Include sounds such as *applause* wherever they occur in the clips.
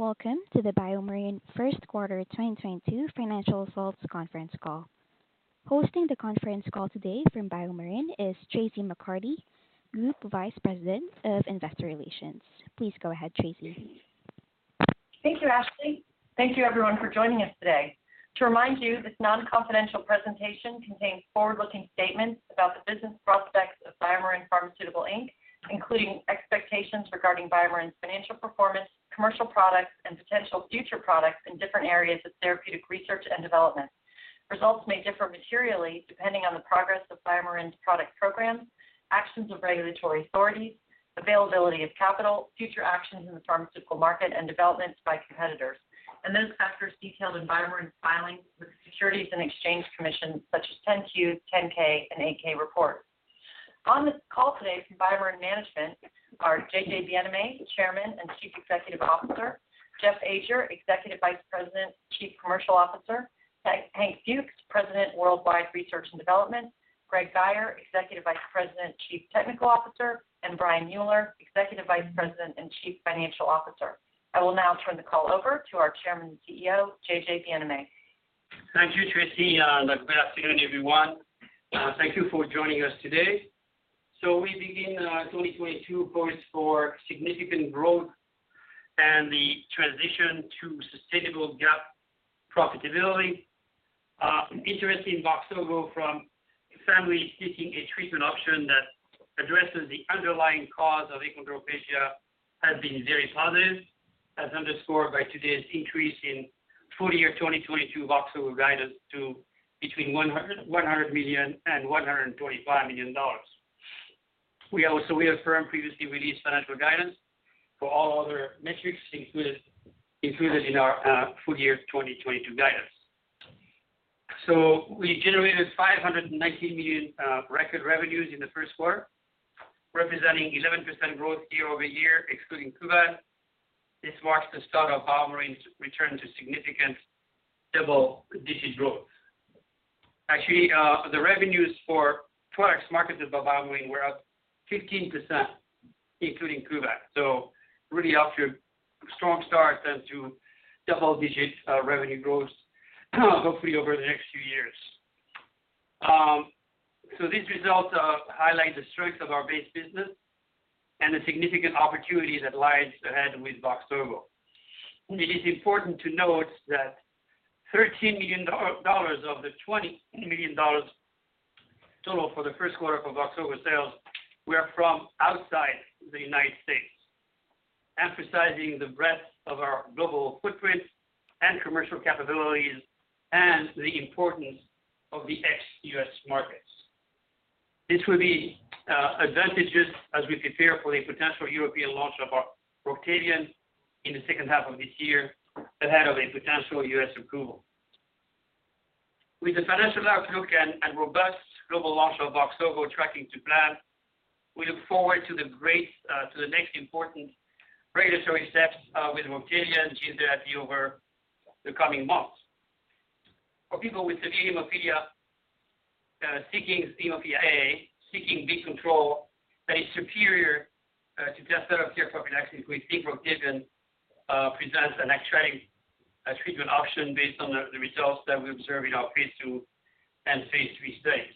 Welcome to the BioMarin first quarter 2022 financial results conference call. Hosting the conference call today from BioMarin is Traci McCarty, Group Vice President of Investor Relations. Please go ahead, Traci. Thank you, Ashley. Thank you everyone for joining us today. To remind you, this non-confidential presentation contains forward-looking statements about the business prospects of BioMarin Pharmaceutical Inc., including expectations regarding BioMarin's financial performance, commercial products, and potential future products in different areas of therapeutic research and development. Results may differ materially depending on the progress of BioMarin's product programs, actions of regulatory authorities, availability of capital, future actions in the pharmaceutical market, and developments by competitors, and those factors detailed in BioMarin's filings with the Securities and Exchange Commission, such as 10-Q, 10-K, and 8-K reports. On this call today from BioMarin management are JJ Bienaimé, Chairman and Chief Executive Officer, Jeff Ajer, Executive Vice President, Chief Commercial Officer, Hank Fuchs, President, Worldwide Research and Development, Greg Guyer, Executive Vice President, Chief Technical Officer, and Brian Mueller, Executive Vice President and Chief Financial Officer. I will now turn the call over to our Chairman and CEO, JJ Bienaimé. Thank you, Tracy, and good afternoon, everyone. Thank you for joining us today. We begin 2022 poised for significant growth and the transition to sustainable GAAP profitability. Interest in Voxzogo from families seeking a treatment option that addresses the underlying cause of achondroplasia has been very positive, as underscored by today's increase in full year 2022 Voxzogo guidance to between $100 million and $125 million. We also reaffirm previously released financial guidance for all other metrics included in our full year 2022 guidance. We generated $519 million record revenues in the first quarter, representing 11% growth year-over-year, excluding Kuvan. This marks the start of BioMarin's return to significant double-digit growth. Actually, the revenues for products marketed by BioMarin were up 15%, including Kuvan. Really off to a strong start as to double-digit revenue growth, hopefully over the next few years. These results highlight the strength of our base business and the significant opportunity that lies ahead with Voxzogo. It is important to note that $13 million of the $20 million total for the first quarter for Voxzogo sales were from outside the United States, emphasizing the breadth of our global footprint and commercial capabilities and the importance of the ex-U.S. markets. This will be advantageous as we prepare for the potential European launch of Roctavian in the second half of this year ahead of a potential U.S. approval. With the financial outlook and robust global launch of Voxzogo tracking to plan, we look forward to the next important regulatory steps with Roctavian gene therapy over the coming months. For people with severe hemophilia A seeking bleed control that is superior to just, *audio distortion* Roctavian presents an exciting treatment option based on the results that we observe in our phase ll and phase lll studies.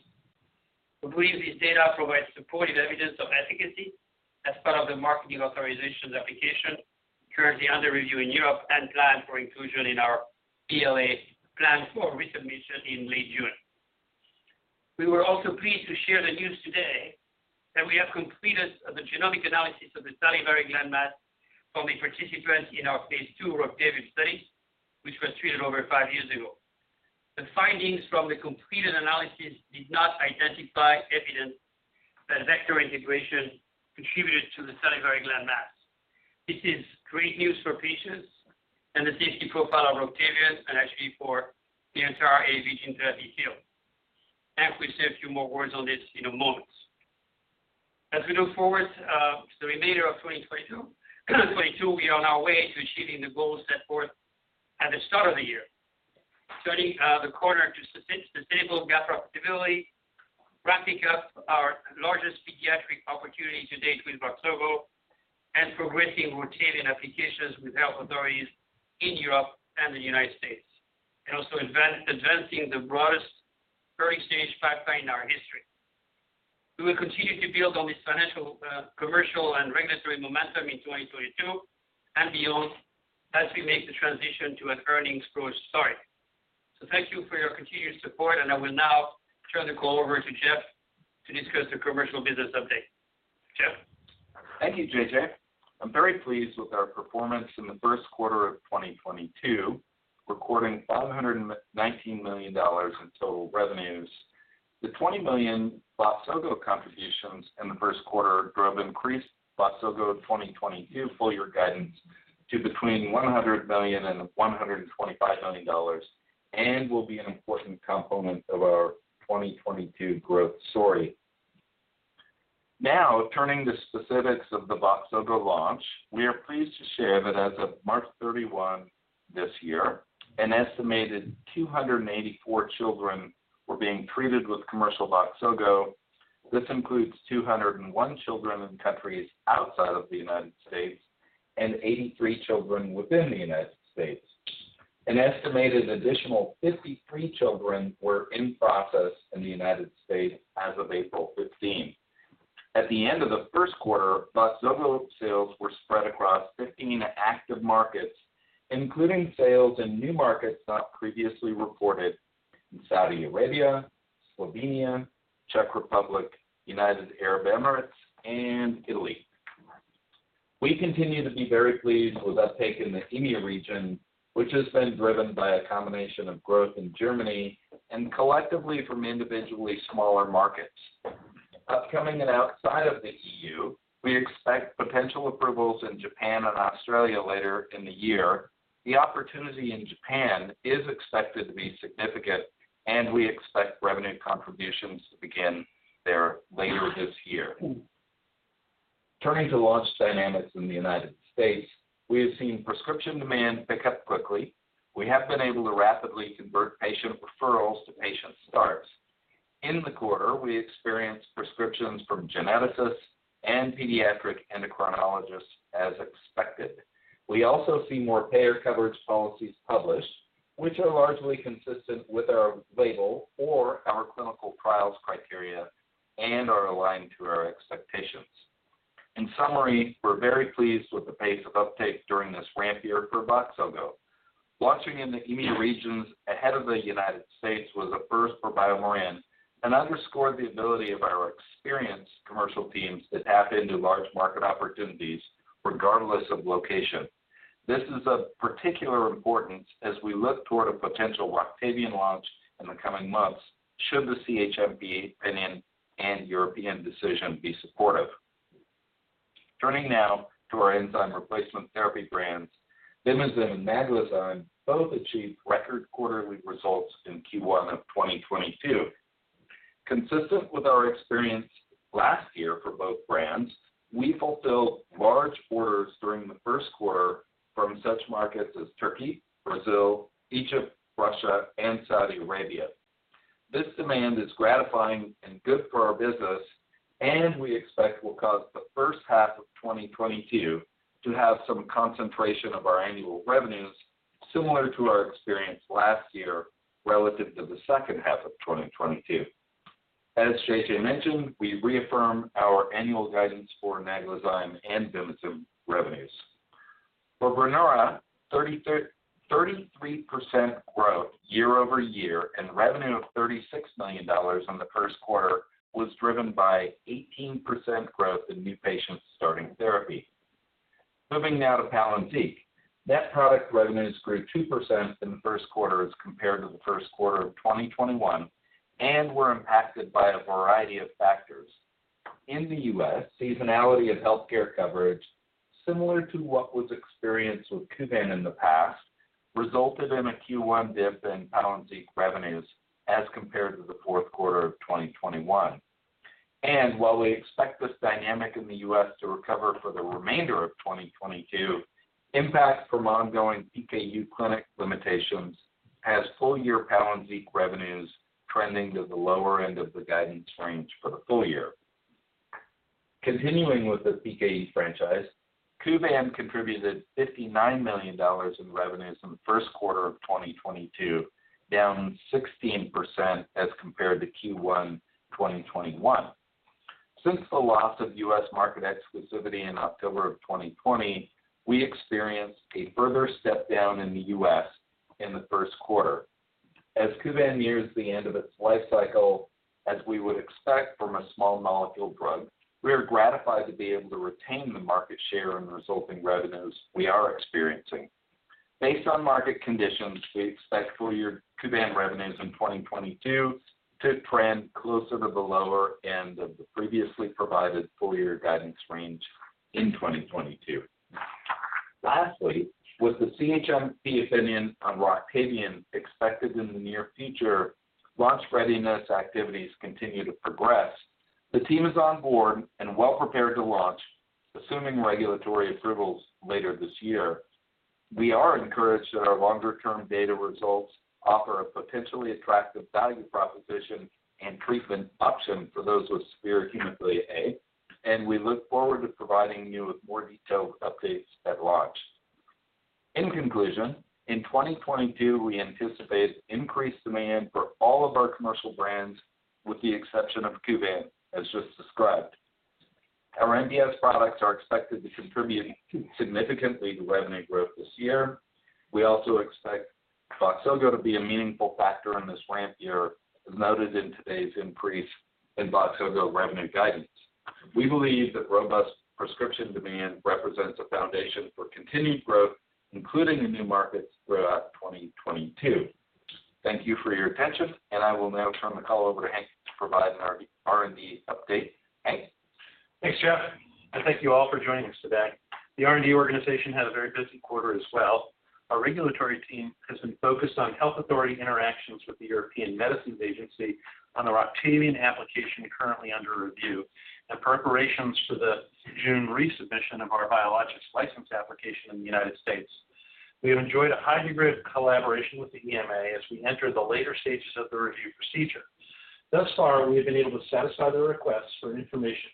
We believe this data provides supportive evidence of efficacy as part of the marketing authorization application currently under review in Europe and planned for inclusion in our BLA plan for resubmission in late June. We were also pleased to share the news today that we have completed the genomic analysis of the salivary gland mass from the participants in our phase ll Roctavian study, which was treated over five years ago. The findings from the completed analysis did not identify evidence that vector integration contributed to the salivary gland mass. This is great news for patients and the safety profile of Roctavian and actually for the entire AAV gene therapy field. We say a few more words on this in a moment. As we look forward to the remainder of 2022, we are on our way to achieving the goals set forth at the start of the year. Starting this quarter to sustainable GAAP profitability, wrapping up our largest pediatric opportunity to date with Voxzogo, and progressing Roctavian applications with health authorities in Europe and the United States. Also advancing the broadest early-stage pipeline in our history. We will continue to build on this financial, commercial and regulatory momentum in 2022 and beyond as we make the transition to an earnings growth story. Thank you for your continued support, and I will now turn the call over to Jeff to discuss the commercial business update. Jeff. Thank you, JJ. I'm very pleased with our performance in the first quarter of 2022, recording $519 million in total revenues. The $20 million Voxzogo contributions in the first quarter drove increased Voxzogo 2022 full year guidance to between $100 million and $125 million and will be an important component of our 2022 growth story. Now, turning to specifics of the Voxzogo launch, we are pleased to share that as of March 31 this year, an estimated 284 children were being treated with commercial Voxzogo. This includes 201 children in countries outside of the United States and 83 children within the United States. An estimated additional 53 children were in process in the United States as of April 15. At the end of the first quarter, Voxzogo sales were spread across 15 active markets, including sales in new markets not previously reported in Saudi Arabia, Slovenia, Czech Republic, United Arab Emirates, and Italy. We continue to be very pleased with uptake in the EMEA region, which has been driven by a combination of growth in Germany and collectively from individually smaller markets. Upcoming and outside of the E.U., we expect potential approvals in Japan and Australia later in the year. The opportunity in Japan is expected to be significant, and we expect revenue contributions to begin there later this year. Turning to launch dynamics in the United States, we have seen prescription demand pick up quickly. We have been able to rapidly convert patient referrals to patient starts. In the quarter, we experienced prescriptions from geneticists and pediatric endocrinologists as expected. We also see more payer coverage policies published, which are largely consistent with our label or our clinical trials criteria and are aligned to our expectations. In summary, we're very pleased with the pace of uptake during this ramp year for Voxzogo. Launching in the EMEA regions ahead of the United States was a first for BioMarin and underscored the ability of our experienced commercial teams to tap into large market opportunities regardless of location. This is of particular importance as we look toward a potential Roctavian launch in the coming months should the CHMP opinion and European decision be supportive. Turning now to our enzyme replacement therapy brands, Vimizim and Naglazyme both achieved record quarterly results in Q1 of 2022. Consistent with our experience last year for both brands, we fulfilled large orders during the first quarter from such markets as Turkey, Brazil, Egypt, Russia, and Saudi Arabia. This demand is gratifying and good for our business and we expect will cause the first half of 2022 to have some concentration of our annual revenues similar to our experience last year relative to the second half of 2022. As JJ mentioned, we reaffirm our annual guidance for Naglazyme and Vimizim revenues. For Brineura, 33% growth year-over-year and revenue of $36 million in the first quarter was driven by 18% growth in new patients starting therapy. Moving now to Palynziq, net product revenues grew 2% in the first quarter as compared to the first quarter of 2021 and were impacted by a variety of factors. In the U.S., seasonality of healthcare coverage, similar to what was experienced with Kuvan in the past, resulted in a Q1 dip in Palynziq revenues as compared to the fourth quarter of 2021. While we expect this dynamic in the U.S. to recover for the remainder of 2022, impact from ongoing PKU clinic limitations has full-year Palynziq revenues trending to the lower end of the guidance range for the full year. Continuing with the PKU franchise, Kuvan contributed $59 million in revenues in the first quarter of 2022, down 16% as compared to Q1 2021. Since the loss of U.S. market exclusivity in October of 2020, we experienced a further step down in the U.S. in the first quarter. As Kuvan nears the end of its life cycle, as we would expect from a small molecule drug, we are gratified to be able to retain the market share and resulting revenues we are experiencing. Based on market conditions, we expect full-year Kuvan revenues in 2022 to trend closer to the lower end of the previously provided full-year guidance range in 2022. Lastly, with the CHMP opinion on Roctavian expected in the near future, launch readiness activities continue to progress. The team is on board and well prepared to launch, assuming regulatory approvals later this year. We are encouraged that our longer-term data results offer a potentially attractive value proposition and treatment option for those with severe hemophilia A, and we look forward to providing you with more detailed updates at launch. In conclusion, in 2022, we anticipate increased demand for all of our commercial brands with the exception of Kuvan, as just described. Our MPS products are expected to contribute significantly to revenue growth this year. We also expect Voxzogo to be a meaningful factor in this ramp year, as noted in today's increase in Voxzogo revenue guidance. We believe that robust prescription demand represents a foundation for continued growth, including in new markets throughout 2022. Thank you for your attention, and I will now turn the call over to Hank to provide our R&D update. Hank? Thanks, Jeff, and thank you all for joining us today. The R&D organization had a very busy quarter as well. Our regulatory team has been focused on health authority interactions with the European Medicines Agency on the Roctavian application currently under review and preparations for the June resubmission of our biologics license application in the United States. We have enjoyed a high degree of collaboration with the EMA as we enter the later stages of the review procedure. Thus far, we have been able to satisfy their requests for information,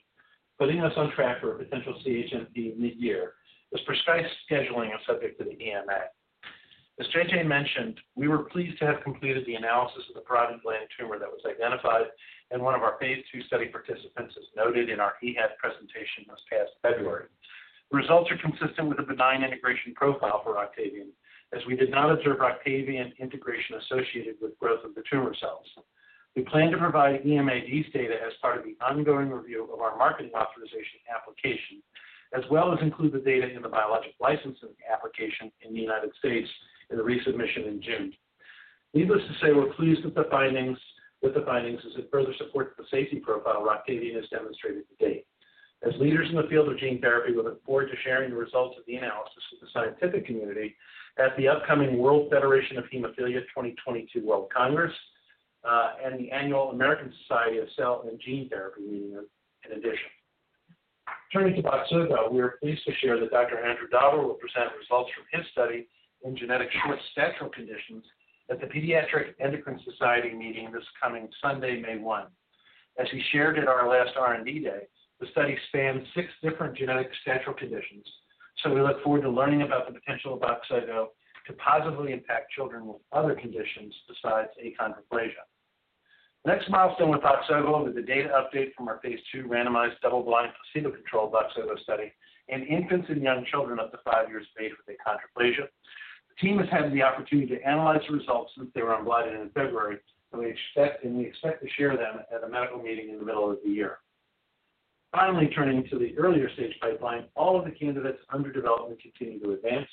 putting us on track for a potential CHMP mid-year, as precise scheduling is subject to the EMA. As JJ mentioned, we were pleased to have completed the analysis of the parotid gland tumor that was identified in one of our phase ll study participants, as noted in our EAHAD presentation this past February. The results are consistent with a benign integration profile for Roctavian, as we did not observe Roctavian integration associated with growth of the tumor cells. We plan to provide EMA these data as part of the ongoing review of our market authorization application, as well as include the data in the biologic license application in the United States in the resubmission in June. Needless to say, we're pleased with the findings as it further supports the safety profile Roctavian has demonstrated to date. As leaders in the field of gene therapy, we look forward to sharing the results of the analysis with the scientific community at the upcoming World Federation of Hemophilia 2022 World Congress, and the Annual American Society of Gene & Cell Therapy meeting in addition. Turning to Voxzogo, we are pleased to share that Dr. Andrew Dauber will present results from his study in genetic short stature conditions at the Pediatric Endocrine Society meeting this coming Sunday, May 1. As he shared in our last R&D day, the study spans 6 different genetic stature conditions, so we look forward to learning about the potential of Voxzogo to positively impact children with other conditions besides achondroplasia. The next milestone with Voxzogo is a data update from our phase ll randomized double-blind placebo-controlled Voxzogo study in infants and young children up to five years of age with achondroplasia. The team has had the opportunity to analyze the results since they were unblinded in February, and we expect to share them at a medical meeting in the middle of the year. Finally turning to the earlier stage pipeline, all of the candidates under development continue to advance.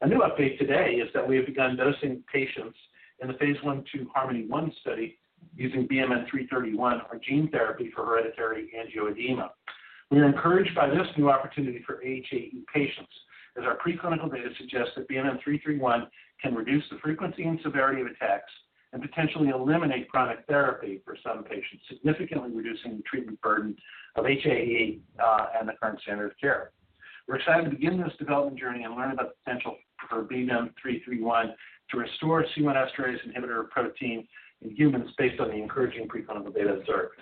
A new update today is that we have begun dosing patients in the phase l/ll HAErmony-1 study using BMN-331, our gene therapy for hereditary angioedema. We are encouraged by this new opportunity for HAE patients, as our preclinical data suggests that BMN-331 can reduce the frequency and severity of attacks and potentially eliminate chronic therapy for some patients, significantly reducing the treatment burden of HAE and the current standard of care. We're excited to begin this development journey and learn about the potential for BMN-331 to restore C1 esterase inhibitor protein in humans based on the encouraging preclinical data observed.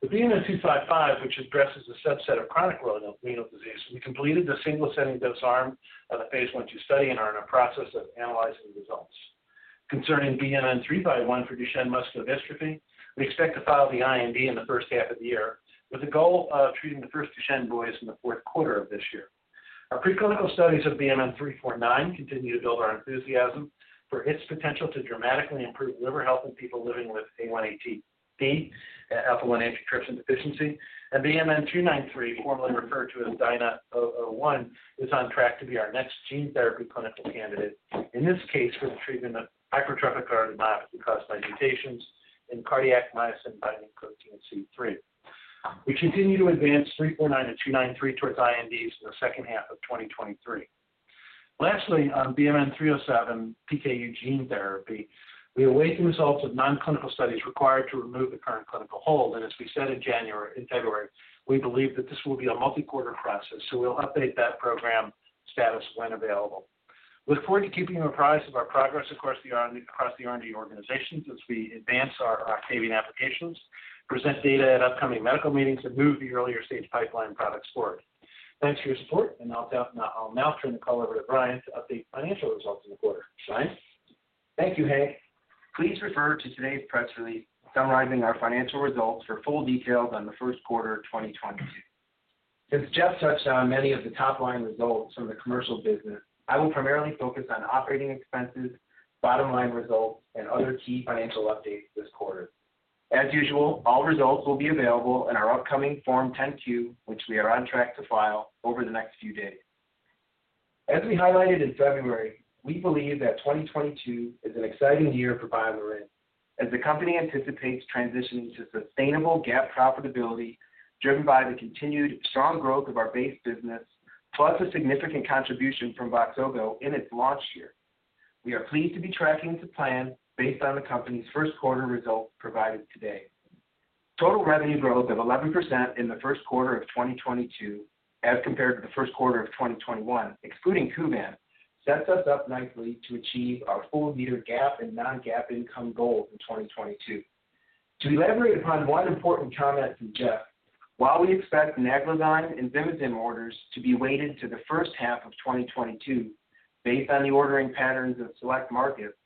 With BMN-255, which addresses a subset of chronic renal disease, we completed the single ascending dose arm of the phase l/ll study and are in a process of analyzing results. Concerning BMN 351 for Duchenne muscular dystrophy, we expect to file the IND in the first half of the year with the goal of treating the first Duchenne boys in the fourth quarter of this year. Our preclinical studies of BMN 349 continue to build our enthusiasm for its potential to dramatically improve liver health in people living with AATD, alpha-1 antitrypsin deficiency, and BMN 293, formerly referred to as DiNA-001, is on track to be our next gene therapy clinical candidate, in this case for the treatment of hypertrophic cardiomyopathy caused by mutations in Cardiac Myosin-Binding Protein C (MYBPC3). We continue to advance 349 and 293 towards INDs in the second half of 2023. Lastly, on BMN 307 PKU gene therapy, we await the results of non-clinical studies required to remove the current clinical hold, and as we said in January, in February, we believe that this will be a multi-quarter process, so we'll update that program status when available. We look forward to keeping you apprised of our progress across the R&D organizations as we advance our Roctavian applications, present data at upcoming medical meetings, and move the earlier stage pipeline products forward. Thanks for your support, and I'll now turn the call over to Brian to update financial results for the quarter. Brian? Thank you, Hank. Please refer to today's press release summarizing our financial results for full details on the first quarter of 2022. Since Jeff touched on many of the top-line results from the commercial business, I will primarily focus on operating expenses, bottom-line results, and other key financial updates this quarter. As usual, all results will be available in our upcoming Form 10-Q, which we are on track to file over the next few days. As we highlighted in February, we believe that 2022 is an exciting year for BioMarin as the company anticipates transitioning to sustainable GAAP profitability driven by the continued strong growth of our base business, plus a significant contribution from Voxzogo in its launch year. We are pleased to be tracking to plan based on the company's first quarter results provided today. Total revenue growth of 11% in the first quarter of 2022 as compared to the first quarter of 2021, excluding Kuvan, sets us up nicely to achieve our full year GAAP and non-GAAP income goals in 2022. To elaborate upon one important comment from Jeff, while we expect Naglazyme and Vimizim orders to be weighted to the first half of 2022 based on the ordering patterns of select markets,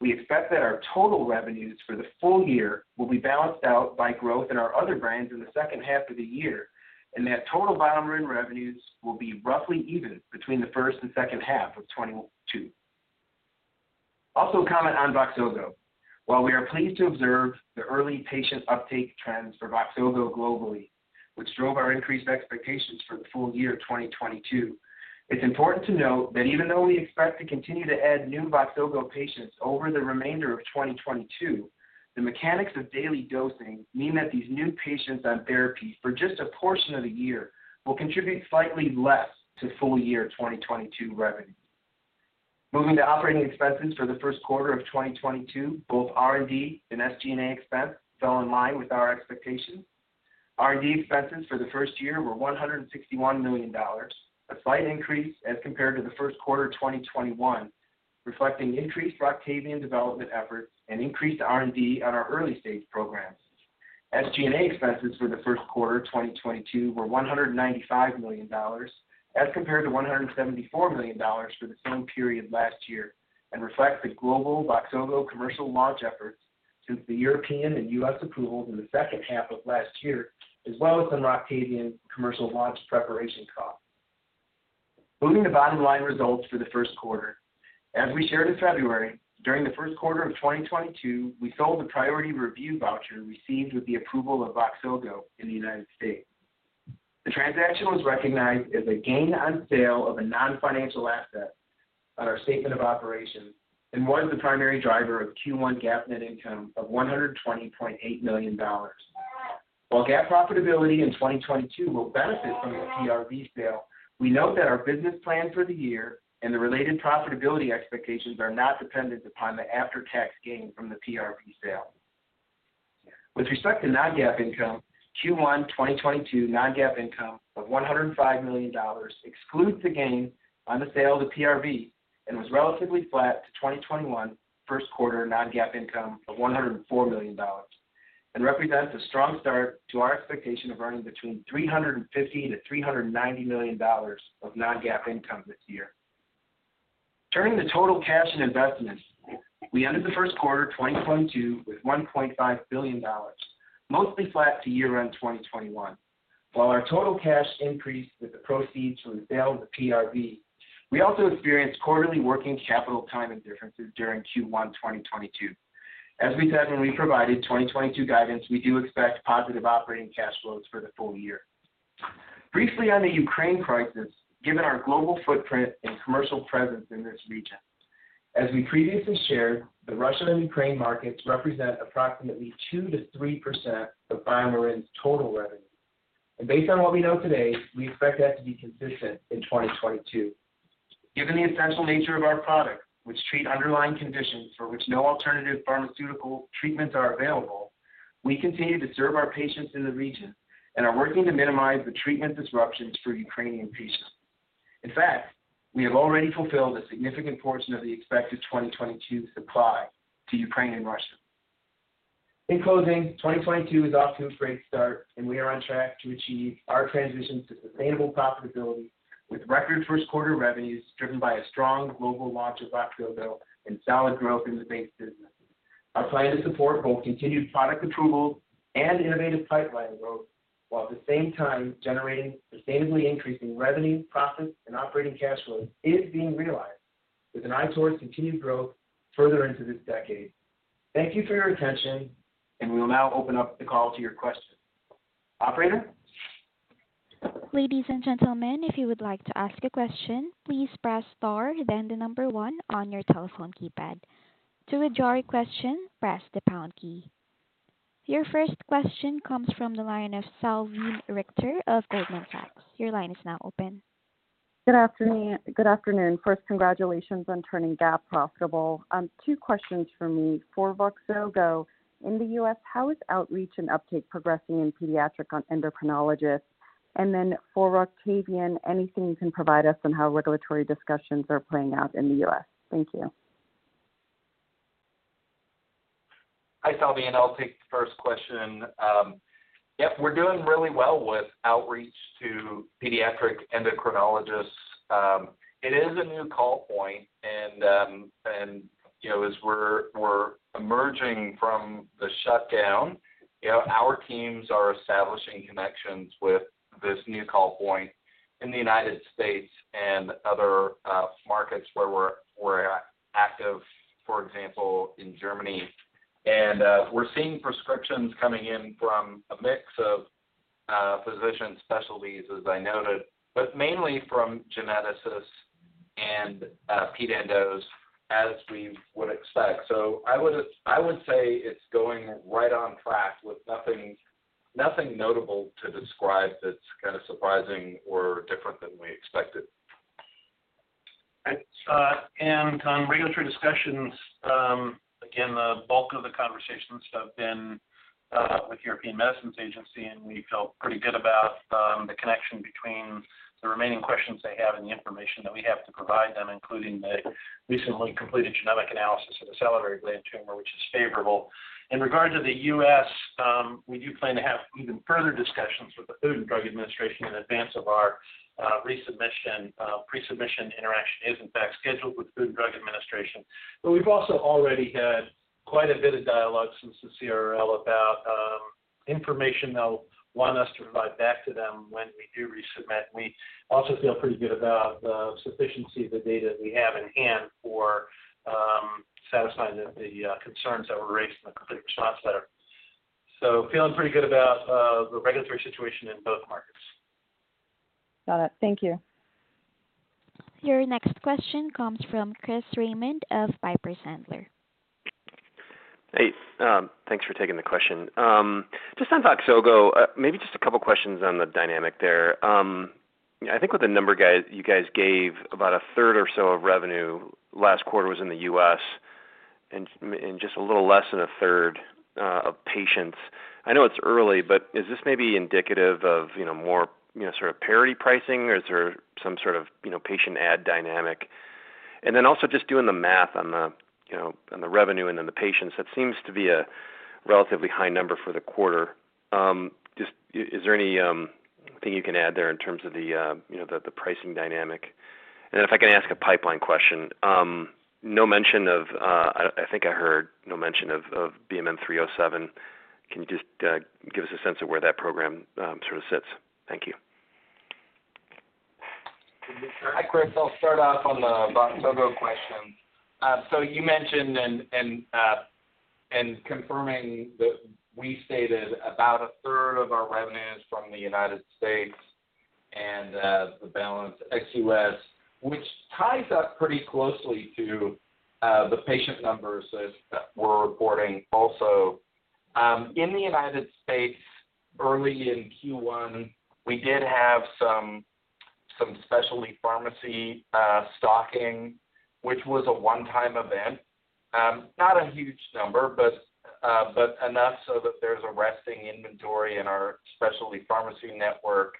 we expect that our total revenues for the full year will be balanced out by growth in our other brands in the second half of the year and that total BioMarin revenues will be roughly even between the first and second half of 2022. I'll also comment on Voxzogo. While we are pleased to observe the early patient uptake trends for Voxzogo globally, which drove our increased expectations for the full year of 2022, it's important to note that even though we expect to continue to add new Voxzogo patients over the remainder of 2022, the mechanics of daily dosing mean that these new patients on therapy for just a portion of the year will contribute slightly less to full year 2022 revenue. Moving to operating expenses for the first quarter of 2022, both R&D and SG&A expense fell in line with our expectations. R&D expenses for the first year were $161 million, a slight increase as compared to the first quarter of 2021, reflecting increased Roctavian development efforts and increased R&D on our early-stage programs. SG&A expenses for the first quarter of 2022 were $195 million, as compared to $174 million for the same period last year and reflects the global Voxzogo commercial launch efforts since the European and U.S. approvals in the second half of last year, as well as some Roctavian commercial launch preparation costs. Moving to bottom line results for the first quarter. As we shared in February, during the first quarter of 2022, we sold the priority review voucher received with the approval of Voxzogo in the United States. The transaction was recognized as a gain on sale of a non-financial asset on our statement of operations and was the primary driver of Q1 GAAP net income of $120.8 million. While GAAP profitability in 2022 will benefit from the PRV sale, we note that our business plan for the year and the related profitability expectations are not dependent upon the after-tax gain from the PRV sale. With respect to non-GAAP income, Q1 2022 non-GAAP income of $105 million excludes the gain on the sale of the PRV and was relatively flat to 2021 first quarter non-GAAP income of $104 million and represents a strong start to our expectation of earning between $350 million-$390 million of non-GAAP income this year. Turning to total cash and investments. We ended the first quarter of 2022 with $1.5 billion, mostly flat to year-end 2021. While our total cash increased with the proceeds from the sale of the PRV, we also experienced quarterly working capital timing differences during Q1 2022. As we said when we provided 2022 guidance, we do expect positive operating cash flows for the full year. Briefly on the Ukraine crisis, given our global footprint and commercial presence in this region. As we previously shared, the Russian and Ukraine markets represent approximately 2%-3% of BioMarin's total revenue. Based on what we know today, we expect that to be consistent in 2022. Given the essential nature of our products, which treat underlying conditions for which no alternative pharmaceutical treatments are available, we continue to serve our patients in the region and are working to minimize the treatment disruptions for Ukrainian patients. In fact, we have already fulfilled a significant portion of the expected 2022 supply to Ukraine and Russia. In closing, 2022 is off to a great start, and we are on track to achieve our transition to sustainable profitability with record first quarter revenues driven by a strong global launch of Voxzogo and solid growth in the base business. Our plan to support both continued product approvals and innovative pipeline growth while at the same time generating sustainably increasing revenue, profits and operating cash flow is being realized with an eye towards continued growth further into this decade. Thank you for your attention, and we will now open up the call to your questions. Operator? Ladies and gentlemen, if you would like to ask a question, please press star then the number one on your telephone keypad. To withdraw your question, press the pound key. Your first question comes from the line of Salveen Richter of Goldman Sachs. Your line is now open. Good afternoon. First, congratulations on turning GAAP profitable. Two questions from me. For Voxzogo in the U.S., how is outreach and uptake progressing in pediatric endocrinologists? For Roctavian, anything you can provide us on how regulatory discussions are playing out in the U.S.? Thank you. Hi, Salveen. I'll take the first question. Yep, we're doing really well with outreach to pediatric endocrinologists. It is a new call point and, you know, as we're emerging from the shutdown, you know, our teams are establishing connections with this new call point in the United States and other markets where we're active, for example, in Germany. We're seeing prescriptions coming in from a mix of physician specialties, as I noted, but mainly from geneticists and ped endos, as we would expect. I would say it's going right on track with nothing notable to describe that's kind of surprising or different than we expected. Thanks. On regulatory discussions, again, the bulk of the conversations have been with European Medicines Agency, and we feel pretty good about the connection between the remaining questions they have and the information that we have to provide them, including the recently completed genetic analysis of the salivary gland tumor, which is favorable. In regard to the U.S., we do plan to have even further discussions with the Food and Drug Administration in advance of our resubmission. Pre-submission interaction is in fact scheduled with the Food and Drug Administration. We've also already had quite a bit of dialogue since the CRL about information they'll want us to provide back to them when we do resubmit. We also feel pretty good about the sufficiency of the data we have in hand for satisfying the concerns that were raised in the Complete Response Letter. Feeling pretty good about the regulatory situation in both markets. Got it. Thank you. Your next question comes from Chris Raymond of Piper Sandler. Hey, thanks for taking the question. Just on Voxzogo, maybe just a couple questions on the dynamic there. I think with the number you guys gave, about 1/3 or so of revenue last quarter was in the U.S. And just a little less than 1/3 of patients. I know it's early, but is this maybe indicative of, you know, more, you know, sort of parity pricing, or is there some sort of, you know, patient add dynamic? And then also just doing the math on the, you know, on the revenue and then the patients, that seems to be a relatively high number for the quarter. Just, is there anything you can add there in terms of the, you know, the pricing dynamic? And if I can ask a pipeline question. No mention of. I think I heard no mention of BMN 307. Can you just give us a sense of where that program sort of sits? Thank you. Hi, Chris. I'll start off on the Voxzogo question. We stated about a third of our revenue is from the United States and the balance ex-US, which ties up pretty closely to the patient numbers that we're reporting also. In the United States, early in Q1, we did have some specialty pharmacy stocking, which was a one-time event. Not a huge number, but enough so that there's a resting inventory in our specialty pharmacy network.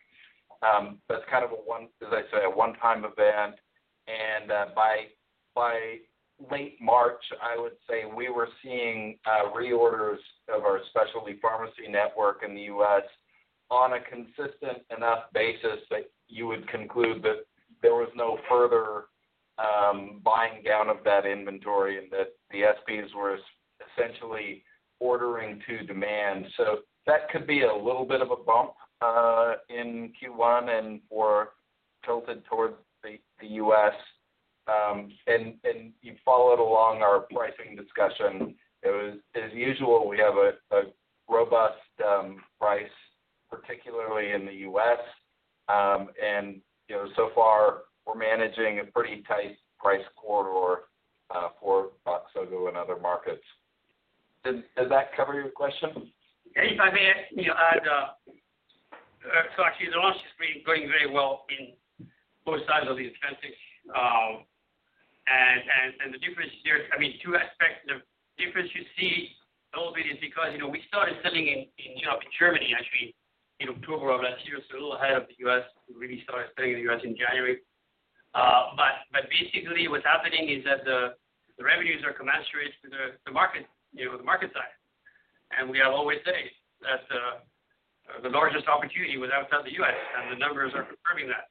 That's kind of, as I say, a one-time event. By late March, I would say, we were seeing reorders of our specialty pharmacy network in the U.S. on a consistent enough basis that you would conclude that there was no further buying down of that inventory and that the SPs were essentially ordering to demand. That could be a little bit of a bump in Q1 or tilted towards the U.S. You followed along our pricing discussion. As usual, we have a robust price, particularly in the U.S. You know, so far we're managing a pretty tight price corridor for Voxzogo in other markets. Does that cover your question? If I may, you know, add. Actually the launch has been going very well in both sides of the Atlantic. The difference there, I mean, two aspects. The difference you see a little bit is because, you know, we started selling in Europe, in Germany actually in October of last year, so a little ahead of the U.S. We really started selling in the U.S. in January. Basically what's happening is that the revenues are commensurate to the market, you know, the market size. We are always saying that the largest opportunity was outside the U.S., and the numbers are confirming that.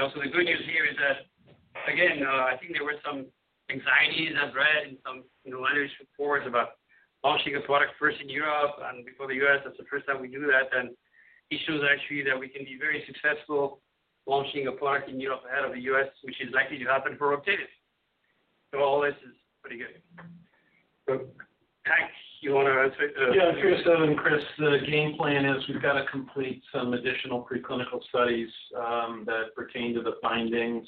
Also, the good news here is that, again, I think there were some anxieties I've read in some, you know, analyst reports about launching a product first in Europe and before the U.S. That's the first time we do that. It shows actually that we can be very successful launching a product in Europe ahead of the U.S., which is likely to happen for Roctavian. All this is pretty good. Hank, you wanna answer? Yeah. Chris, the game plan is we've got to complete some additional preclinical studies that pertain to the findings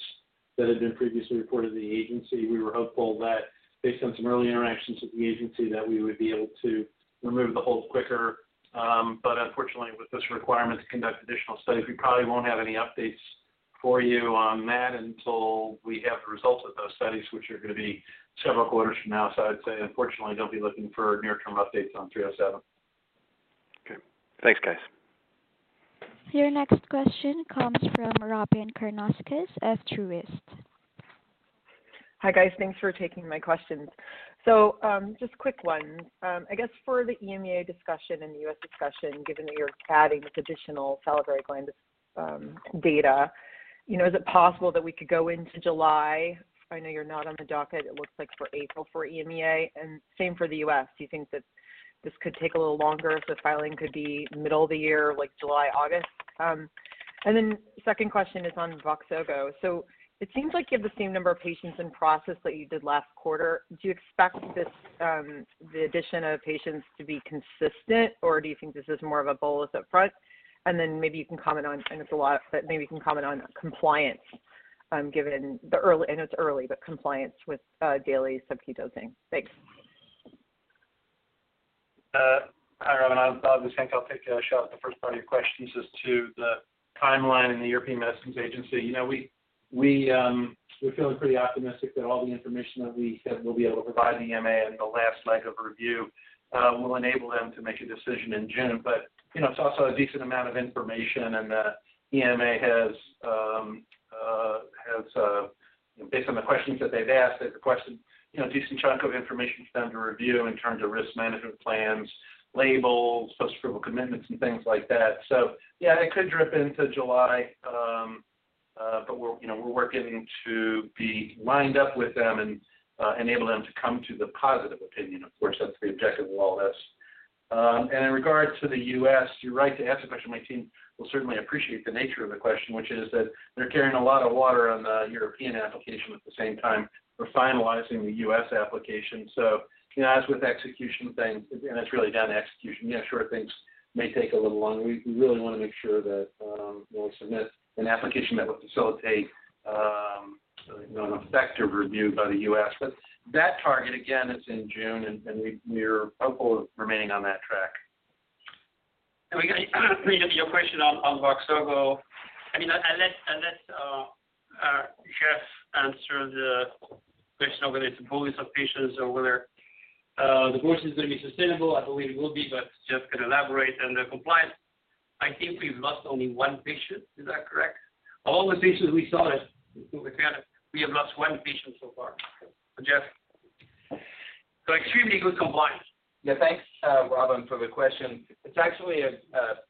that had been previously reported to the agency. We were hopeful that based on some early interactions with the agency, that we would be able to remove the hold quicker. But unfortunately, with this requirement to conduct additional studies, we probably won't have any updates for you on that until we have the results of those studies, which are gonna be several quarters from now. I'd say, unfortunately, don't be looking for near-term updates on 307. Okay. Thanks, guys. Your next question comes from Robyn Karnauskas at Truist. Hi, guys. Thanks for taking my questions. Just quick one. I guess for the EMA discussion and the U.S. discussion, given that you're adding this additional salivary gland data, you know, is it possible that we could go into July? I know you're not on the docket, it looks like, for April for EMA, and same for the U.S. Do you think that this could take a little longer, if the filing could be middle of the year, like July, August? Second question is on Voxzogo. It seems like you have the same number of patients in process that you did last quarter. Do you expect this, the addition of patients to be consistent, or do you think this is more of a bolus up front? Maybe you can comment on compliance, I know it's a lot, but maybe you can comment on compliance, given it's early, with daily subQ dosing. Thanks. Hi, Robyn. I was thinking I'll take a shot at the first part of your questions as to the timeline in the European Medicines Agency. You know, we're feeling pretty optimistic that all the information that we said we'll be able to provide the EMA in the last leg of review will enable them to make a decision in June. You know, it's also a decent amount of information and the EMA has, based on the questions that they've asked, a decent chunk of information for them to review in terms of risk management plans, labels, post-approval commitments, and things like that. Yeah, it could drip into July, but we're, you know, working to be lined up with them and enable them to come to the positive opinion. Of course, that's the objective of all this. In regards to the U.S., you're right to ask the question. My team will certainly appreciate the nature of the question, which is that they're carrying a lot of water on the European application. At the same time, we're finalizing the U.S. application. You know, as with execution things, again, it's really down to execution. Yeah, sure, things may take a little longer. We really wanna make sure that we'll submit an application that will facilitate, you know, an effective review by the U.S.. That target, again, is in June, and we're hopeful of remaining on that track. We got your question on Voxzogo. I mean, let Jeff answer the question of whether it's a pool of patients or whether the pool is gonna be sustainable. I believe it will be, but Jeff can elaborate. The compliance, I think we've lost only one patient. Is that correct? All the patients we saw that we've had, we have lost one patient so far. Jeff? So extremely good compliance. Yeah. Thanks, Robyn, for the question. It's actually a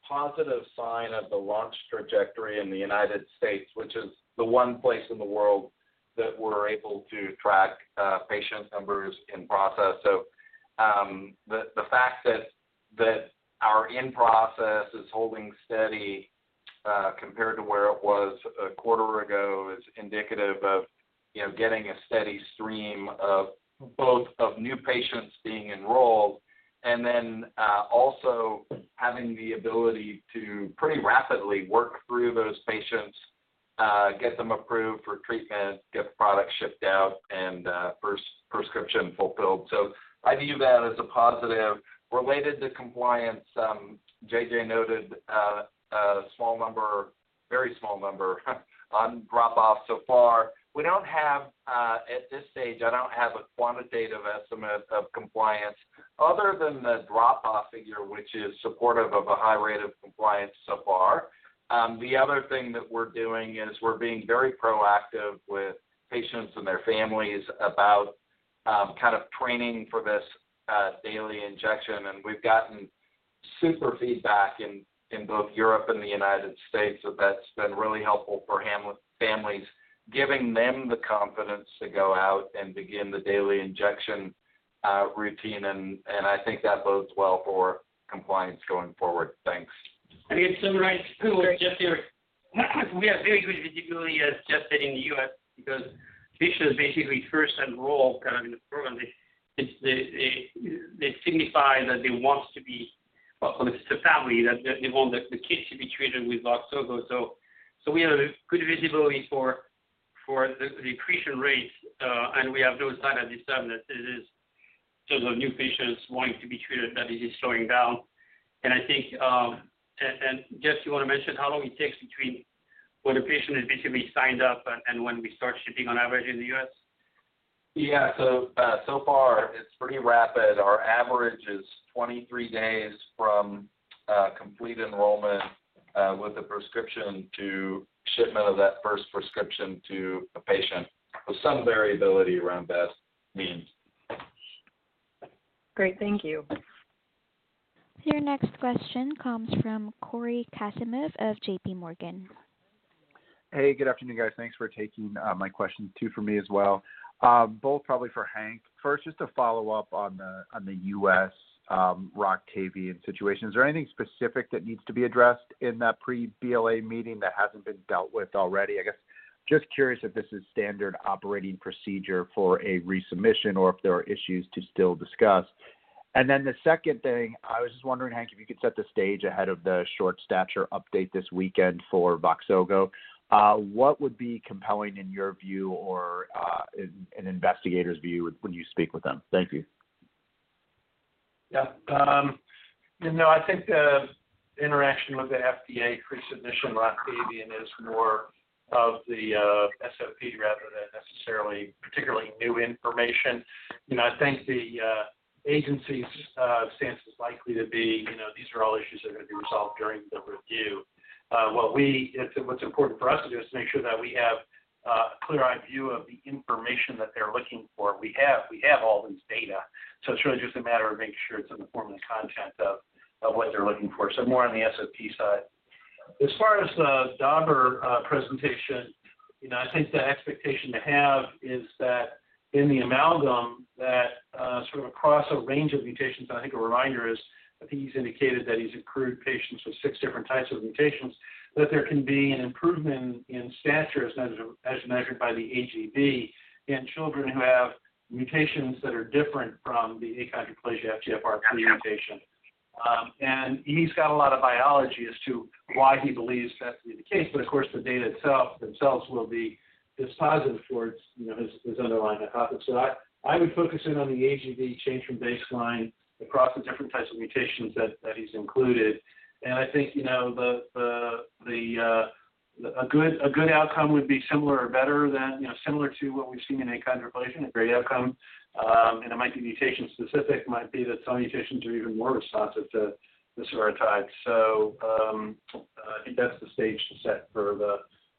positive sign of the launch trajectory in the United States, which is the one place in the world that we're able to track patient numbers in process. The fact that our in-process is holding steady compared to where it was a quarter ago is indicative of you know, getting a steady stream of both of new patients being enrolled and then also having the ability to pretty rapidly work through those patients, get them approved for treatment, get the product shipped out and first prescription fulfilled. I view that as a positive. Related to compliance, JJ noted a small number, very small number on drop-offs so far. We don't have at this stage, I don't have a quantitative estimate of compliance other than the drop-off figure, which is supportive of a high rate of compliance so far. The other thing that we're doing is we're being very proactive with patients and their families about kind of training for this daily injection. We've gotten super feedback in both Europe and the United States that that's been really helpful for families, giving them the confidence to go out and begin the daily injection routine and I think that bodes well for compliance going forward. Thanks. I mean, to summarize what Jeff said, we have very good visibility as Jeff said in the U.S. because patients basically first enroll kind of in the program. They signify that they want to be, or from the family that they want the kid to be treated with Voxzogo. So we have a good visibility for the initiation rates, and we have no sign at this time that this is, in terms of new patients wanting to be treated, that it is slowing down. I think, Jeff, you wanna mention how long it takes between when a patient is basically signed up and when we start shipping on average in the U.S.? Yeah. So far it's pretty rapid. Our average is 23 days from complete enrollment with a prescription to shipment of that first prescription to a patient, with some variability around that mean. Great. Thank you. Your next question comes from Cory Kasimov of JPMorgan. Hey, good afternoon, guys. Thanks for taking my question. Two for me as well. Both probably for Hank. First, just to follow up on the U.S. Roctavian situation. Is there anything specific that needs to be addressed in that pre-BLA meeting that hasn't been dealt with already? I guess just curious if this is standard operating procedure for a resubmission or if there are issues to still discuss. The second thing, I was just wondering, Hank, if you could set the stage ahead of the short stature update this weekend for Voxzogo. What would be compelling in your view or in investigators' view when you speak with them? Thank you. Yeah. You know, I think the interaction with the FDA pre-submission Roctavian is more of the SOP rather than necessarily particularly new information. You know, I think the agency's stance is likely to be, you know, these are all issues that are gonna be resolved during the review. What's important for us to do is to make sure that we have a clear-eyed view of the information that they're looking for. We have all this data, so it's really just a matter of making sure it's in the form and content of what they're looking for, so more on the SOP side. As far as the Dauber presentation, you know, I think the expectation to have is that in the amalgam that sort of across a range of mutations, I think a reminder is, I think he's indicated that he's accrued patients with six different types of mutations, that there can be an improvement in stature as measured by the AGV in children who have mutations that are different from the achondroplasia FGFR3 mutation. He's got a lot of biology as to why he believes that to be the case. But of course, the data themselves will be dispositive towards, you know, his underlying hypothesis. I would focus in on the AGV change from baseline across the different types of mutations that he's included. I think, you know, a good outcome would be similar or better than, you know, similar to what we've seen in achondroplasia, a great outcome. It might be mutation-specific, might be that some mutations are even more responsive to the vosoritide. I think that's the stage to set for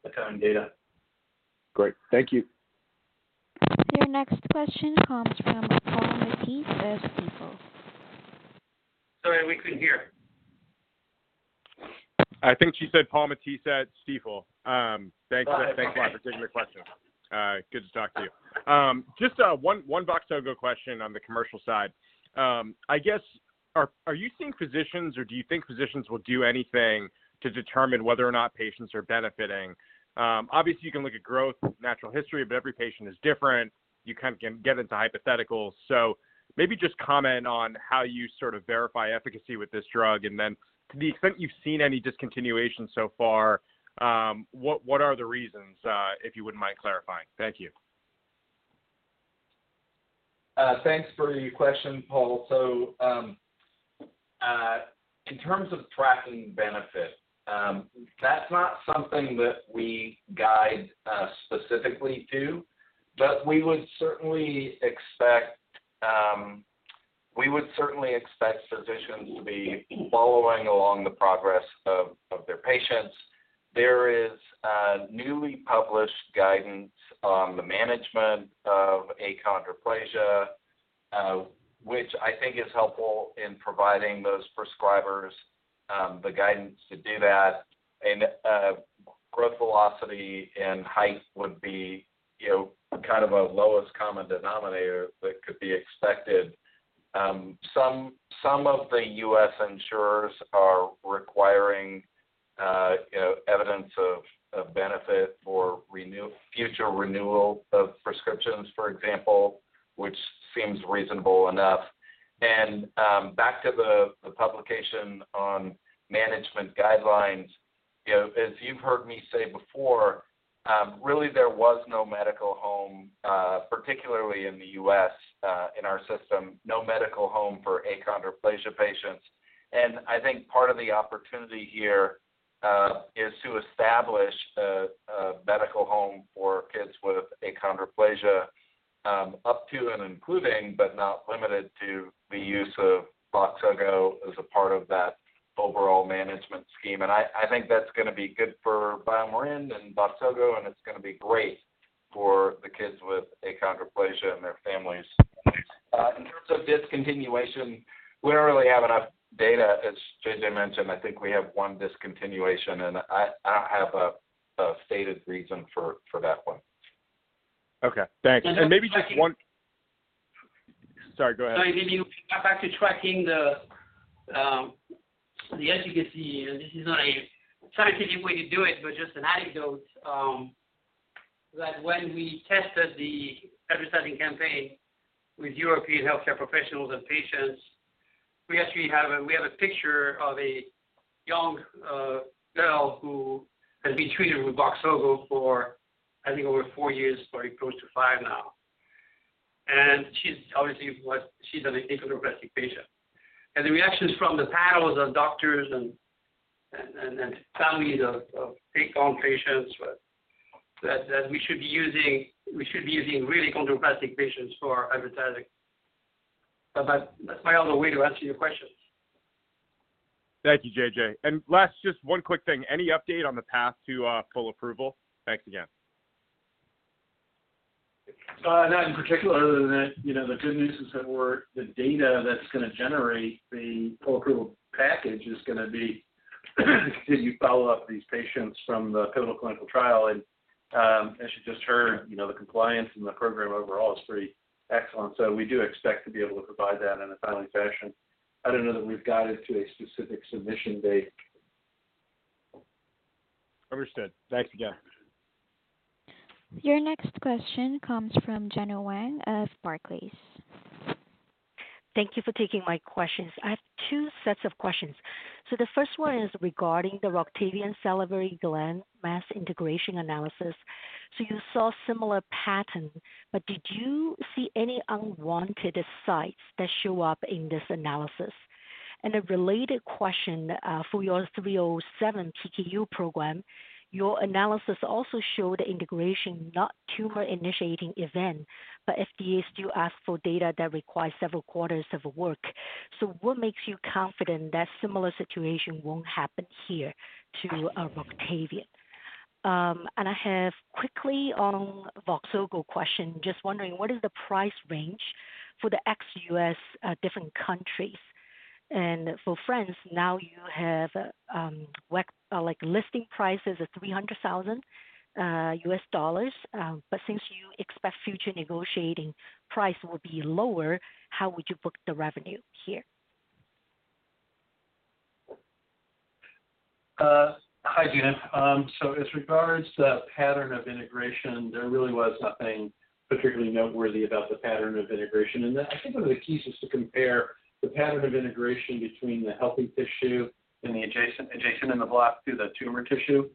the coming data. Great. Thank you. Your next question comes from Paul Matteis at Stifel. Sorry, we couldn't hear. I think she said Paul Matteis at Stifel. Thanks. Got it. Thanks a lot for taking the question. Good to talk to you. Just one Voxzogo question on the commercial side. I guess, are you seeing physicians or do you think physicians will do anything to determine whether or not patients are benefiting? Obviously, you can look at growth, natural history, but every patient is different. You kind of can get into hypotheticals. Maybe just comment on how you sort of verify efficacy with this drug. And then to the extent you've seen any discontinuation so far, what are the reasons, if you wouldn't mind clarifying? Thank you. Thanks for your question, Paul. In terms of tracking benefit, that's not something that we guide specifically to, but we would certainly expect physicians to be following along the progress of their patients. There is newly published guidance on the management of achondroplasia, which I think is helpful in providing those prescribers the guidance to do that. Growth velocity and height would be, you know, kind of a lowest common denominator that could be expected. Some of the U.S. insurers are requiring, you know, evidence of benefit for future renewal of prescriptions, for example, which seems reasonable enough. Back to the publication on management guidelines, you know, as you've heard me say before, really there was no medical home, particularly in the U.S., in our system, no medical home for achondroplasia patients. I think part of the opportunity here is to establish a medical home for kids with achondroplasia, up to and including, but not limited to the use of Voxzogo as a part of that overall management scheme. I think that's gonna be good for BioMarin and Voxzogo, and it's gonna be great for the kids with achondroplasia and their families. In terms of discontinuation, we don't really have enough data. As JJ mentioned, I think we have one discontinuation, and I don't have a stated reason for that one. Okay. Thanks. Maybe just one. Sorry, go ahead. No, if you can go back to tracking the efficacy, and this is not a scientific way to do it, but just an anecdote, that when we tested the advertising campaign with European healthcare professionals and patients, we have a picture of a young girl who has been treated with Voxzogo for I think over four years, probably close to five now. She's obviously an achondroplastic patient. The reactions from the panels of doctors and families of achondroplasia patients were that we should be using really achondroplastic patients for advertising. That's my other way to answer your question. Thank you, JJ. Last, just one quick thing. Any update on the path to full approval? Thanks again. Not in particular, other than that, you know, the good news is that we're the data that's gonna generate the full approval package is gonna be continue follow-up these patients from the pivotal clinical trial. As you just heard, you know, the compliance in the program overall is pretty excellent. We do expect to be able to provide that in a timely fashion. I don't know that we've got it to a specific submission date. Understood. Thanks again. Your next question comes from Gena Wang of Barclays. Thank you for taking my questions. I have two sets of questions. The first one is regarding the Roctavian salivary gland mass integration analysis. You saw similar patterns, but did you see any unwanted sites that show up in this analysis? A related question for your 307 PKU program, your analysis also showed integration, not tumor-initiating event, but FDA still ask for data that requires several quarters of work. What makes you confident that similar situation won't happen here to Roctavian? I have quickly on Voxzogo question, just wondering what is the price range for the ex-U.S. different countries? For France, now you have what like listing price is at $300,000. Since you expect future negotiating price will be lower, how would you book the revenue here? Hi, Gena. As regards the pattern of integration, there really was nothing particularly noteworthy about the pattern of integration. I think one of the keys is to compare the pattern of integration between the healthy tissue in the adjacent and the block to the tumor tissue.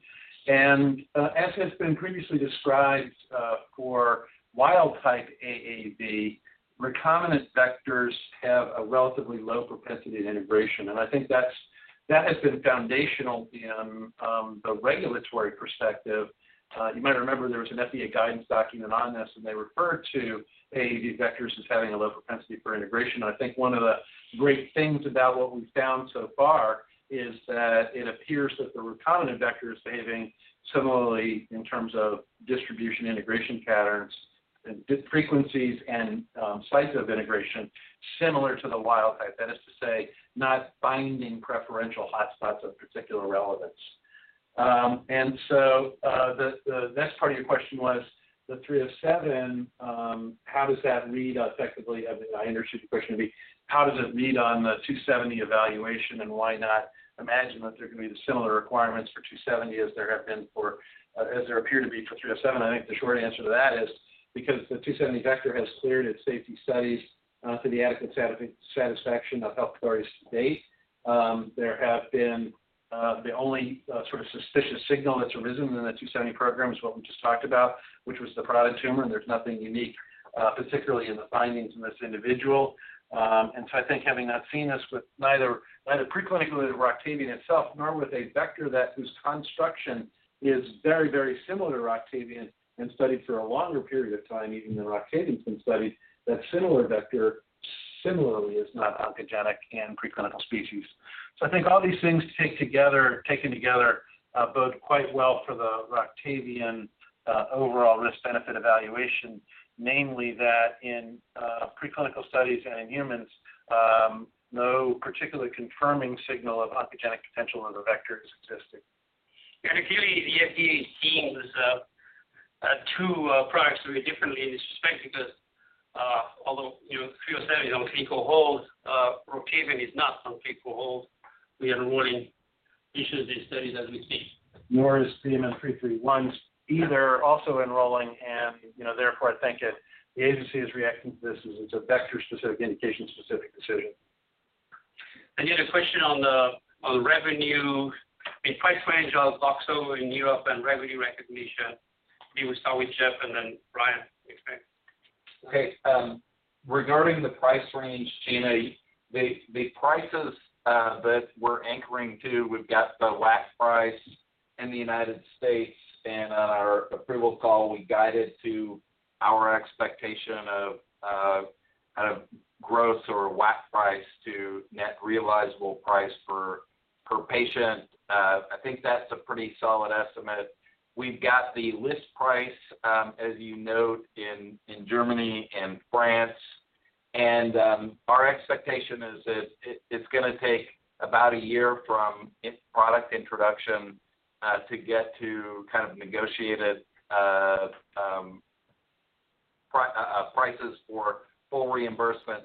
As has been previously described, for wild type AAV, recombinant vectors have a relatively low propensity to integration, and I think that has been foundational in the regulatory perspective. You might remember there was an FDA guidance document on this, and they referred to AAV vectors as having a low propensity for integration. I think one of the great things about what we've found so far is that it appears that the recombinant vector is behaving similarly in terms of distribution, integration patterns, and frequencies and sites of integration similar to the wild type. That is to say, not binding preferential hotspots of particular relevance. The next part of your question was the BMN 307, how does that read out effectively? I mean, I understood the question to be how does it read on the BMN 270 evaluation and why not imagine that they're gonna be the similar requirements for BMN 270 as there have been for, as there appear to be for BMN 307. I think the short answer to that is because the BMN 270 vector has cleared its safety studies. To the adequate satisfaction of health authorities to date. There have been the only sort of suspicious signal that's arisen within the BMN 270 program is what we just talked about, which was the product tumor. There's nothing unique particularly in the findings in this individual. I think having not seen this with neither preclinically with Roctavian itself, nor with a vector that whose construction is very, very similar to Roctavian and studied for a longer period of time even than Roctavian's been studied, that similar vector similarly is not oncogenic in preclinical species. I think all these things taken together bode quite well for the Roctavian overall risk-benefit evaluation, namely that in preclinical studies and in humans, no particular confirming signal of oncogenic potential of the vector has existed. Clearly the FDA deems two products very differently in this respect because although you know BMN 307 is on clinical hold, Roctavian is not on clinical hold. We are enrolling patients in studies as we speak. Nor is BMN 331. They are also enrolling and, you know, therefore, I think it, the agency is reacting to this as it's a vector-specific, indication-specific decision. A question on the revenue and price range of Voxzogo in Europe and revenue recognition. Maybe we'll start with Jeff and then Brian. Thanks. Regarding the price range, Gena, the prices that we're anchoring to, we've got the WAC price in the United States and on our approval call we guided to our expectation of kind of gross or WAC price to net realizable price per patient. I think that's a pretty solid estimate. We've got the list price, as you note in Germany and France. Our expectation is that it's gonna take about a year from its product introduction to get to kind of negotiated prices for full reimbursement.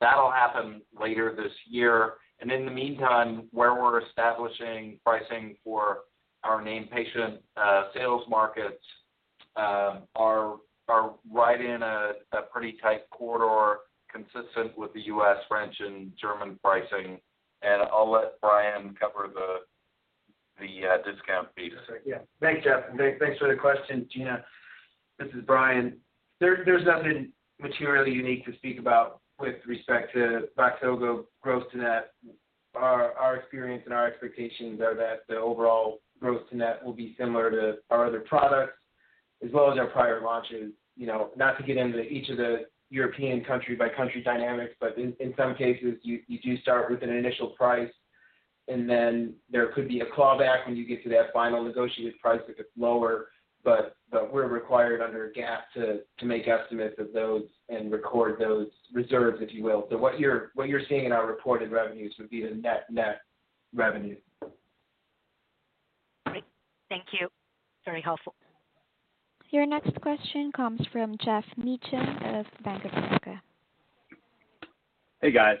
That'll happen later this year. In the meantime, where we're establishing pricing for our named patient sales markets are right in a pretty tight corridor consistent with the U.S., French, and German pricing. I'll let Brian cover the discount piece. Yeah. Thanks, Jeff, and thanks for the question, Gena. This is Brian. There's nothing materially unique to speak about with respect to Voxzogo gross to net. Our experience and our expectations are that the overall gross to net will be similar to our other products as well as our prior launches. You know, not to get into each of the European country by country dynamics, but in some cases you do start with an initial price and then there could be a clawback when you get to that final negotiated price if it's lower. But we're required under GAAP to make estimates of those and record those reserves, if you will. So what you're seeing in our reported revenues would be the net revenue. Great. Thank you. Very helpful. Your next question comes from Geoff Meacham of Bank of America. Hey, guys.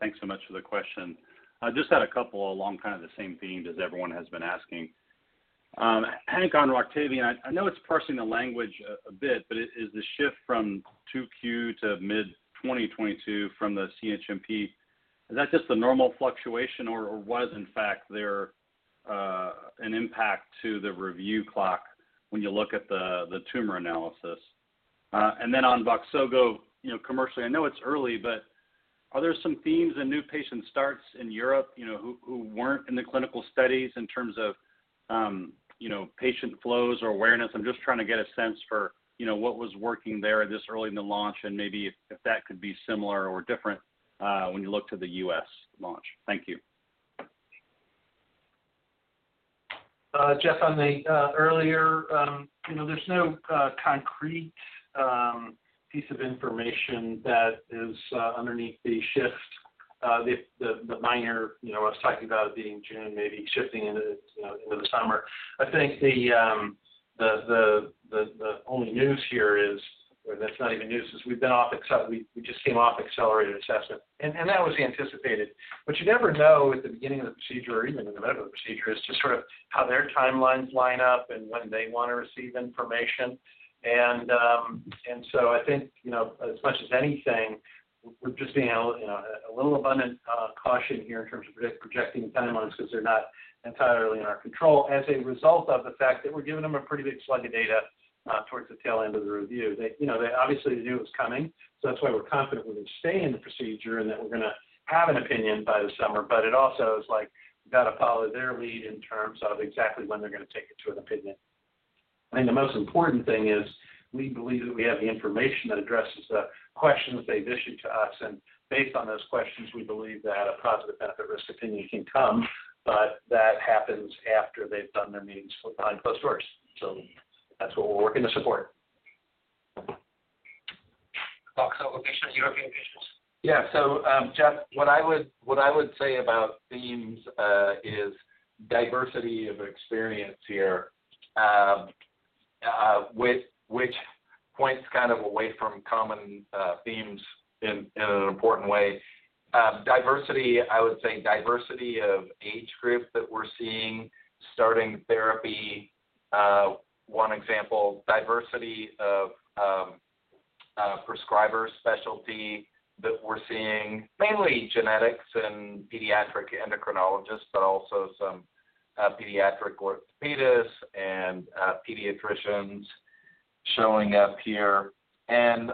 Thanks so much for the question. I just had a couple along kind of the same theme as everyone has been asking. I think on Roctavian, I know it's parsing the language a bit, but is the shift from 2Q to mid-2022 from the CHMP, is that just a normal fluctuation or was in fact there an impact to the review clock when you look at the tumor analysis? And then on Voxzogo, you know, commercially, I know it's early, but are there some themes in new patient starts in Europe, you know, who weren't in the clinical studies in terms of patient flows or awareness? I'm just trying to get a sense for, you know, what was working there this early in the launch and maybe if that could be similar or different, when you look to the U.S. launch? Thank you. Jeff, on the earlier, you know, there's no concrete piece of information that is underneath the shift. The minor, you know, I was talking about it being June, maybe shifting into the summer. I think the only news here is, or that's not even news, is we've just come off accelerated assessment and that was anticipated. You never know at the beginning of the procedure or even in the middle of the procedure as to sort of how their timelines line up and when they wanna receive information. I think, you know, as much as anything, we're just being a little, you know, a little abundance of caution here in terms of projecting timelines because they're not entirely in our control as a result of the fact that we're giving them a pretty big slug of data towards the tail end of the review. They, you know, obviously knew it was coming, so that's why we're confident we're gonna stay in the procedure and that we're gonna have an opinion by the summer. But it also is like we've gotta follow their lead in terms of exactly when they're gonna take it to an opinion. I think the most important thing is we believe that we have the information that addresses the questions they've issued to us, and based on those questions, we believe that a positive benefit-risk opinion can come. That happens after they've done their meetings for behind closed doors. That's what we're working to support. Voxzogo patients, European patients. Yeah. Geoff, what I would say about themes is diversity of experience here, with which points kind of away from common themes in an important way. Diversity of age group that we're seeing starting therapy. One example, diversity of prescribers specialty that we're seeing, mainly geneticists and pediatric endocrinologists, but also some pediatric orthopedists and pediatricians showing up here.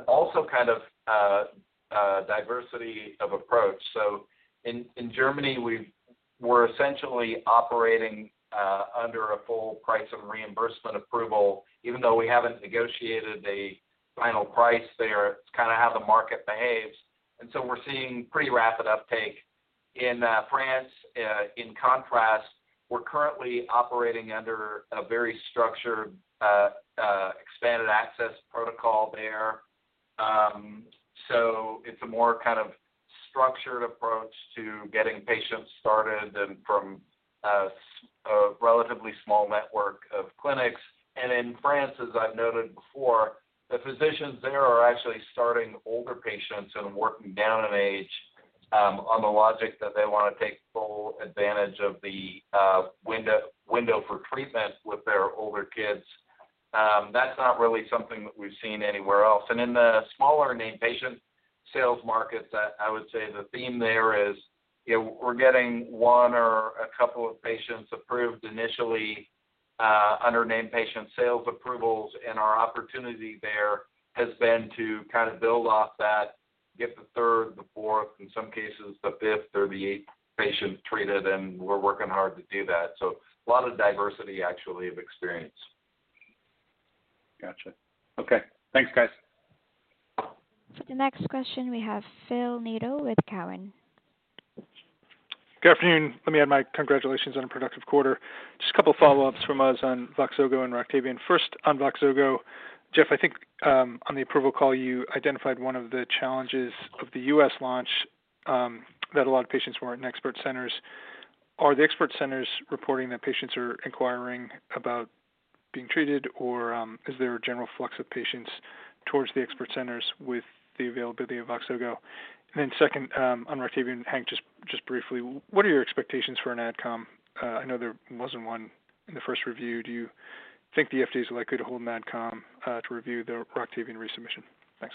Also kind of diversity of approach. In Germany, we're essentially operating under a full price or reimbursement approval, even though we haven't negotiated a final price there. It's kinda how the market behaves. We're seeing pretty rapid uptake. In France, in contrast, we're currently operating under a very structured expanded access protocol there. It's a more kind of structured approach to getting patients started and from a relatively small network of clinics. In France, as I've noted before, the physicians there are actually starting older patients and working down in age, on the logic that they wanna take full advantage of the window for treatment with their older kids. That's not really something that we've seen anywhere else. In the smaller named patient sales markets, I would say the theme there is, you know, we're getting one or a couple of patients approved initially under named patient sales approvals. Our opportunity there has been to kind of build off that, get the third, the fourth, in some cases, the fifth or the eighth patient treated, and we're working hard to do that. A lot of diversity actually of experience. Gotcha. Okay. Thanks, guys. For the next question, we have Phil Nadeau with Cowen. Good afternoon. Let me add my congratulations on a productive quarter. Just a couple follow-ups from us on Voxzogo and Roctavian. First, on Voxzogo, Jeff, I think on the approval call, you identified one of the challenges of the U.S. launch that a lot of patients weren't in expert centers. Are the expert centers reporting that patients are inquiring about being treated, or is there a general flux of patients towards the expert centers with the availability of Voxzogo? Second, on Roctavian, Hank, just briefly, what are your expectations for an AdCom? I know there wasn't one in the first review. Do you think the FDA is likely to hold an AdCom to review the Roctavian resubmission? Thanks.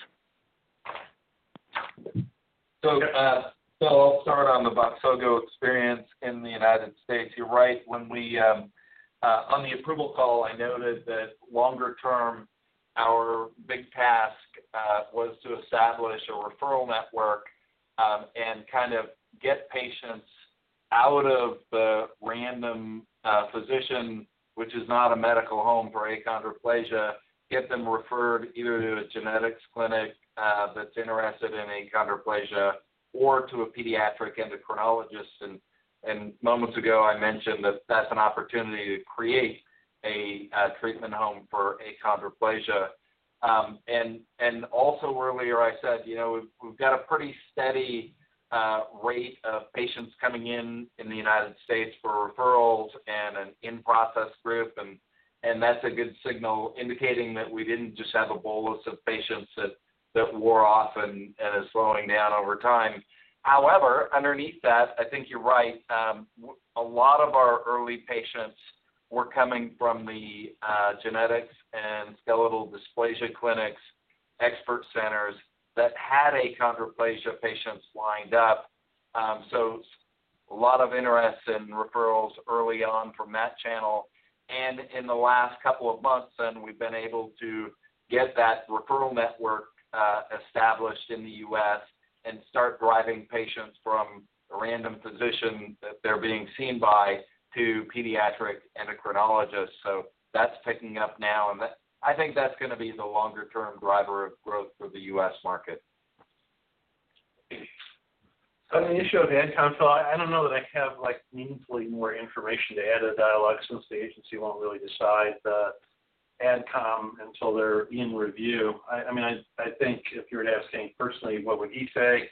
Phil, I'll start on the Voxzogo experience in the United States. You're right. When we on the approval call, I noted that longer term, our big task was to establish a referral network, and kind of get patients out of the random physician, which is not a medical home for achondroplasia, get them referred either to a genetics clinic that's interested in achondroplasia or to a pediatric endocrinologist. Moments ago, I mentioned that that's an opportunity to create a treatment home for achondroplasia. Also earlier I said, you know, we've got a pretty steady rate of patients coming in in the United States for referrals and an in-process group, and that's a good signal indicating that we didn't just have a bolus of patients that wore off and is slowing down over time. However, underneath that, I think you're right. A lot of our early patients were coming from the genetics and skeletal dysplasia clinics, expert centers that had achondroplasia patients lined up. So a lot of interest in referrals early on from that channel. In the last couple of months, we've been able to get that referral network established in the U.S. and start driving patients from a random physician that they're being seen by to pediatric endocrinologists. That's picking up now, and I think that's gonna be the longer term driver of growth for the U.S. market. On the issue of AdCom, Phil, I don't know that I have, like, meaningfully more information to add to the dialogue since the agency won't really decide the AdCom until they're in review. I mean, I think if you were asking personally, what would he say?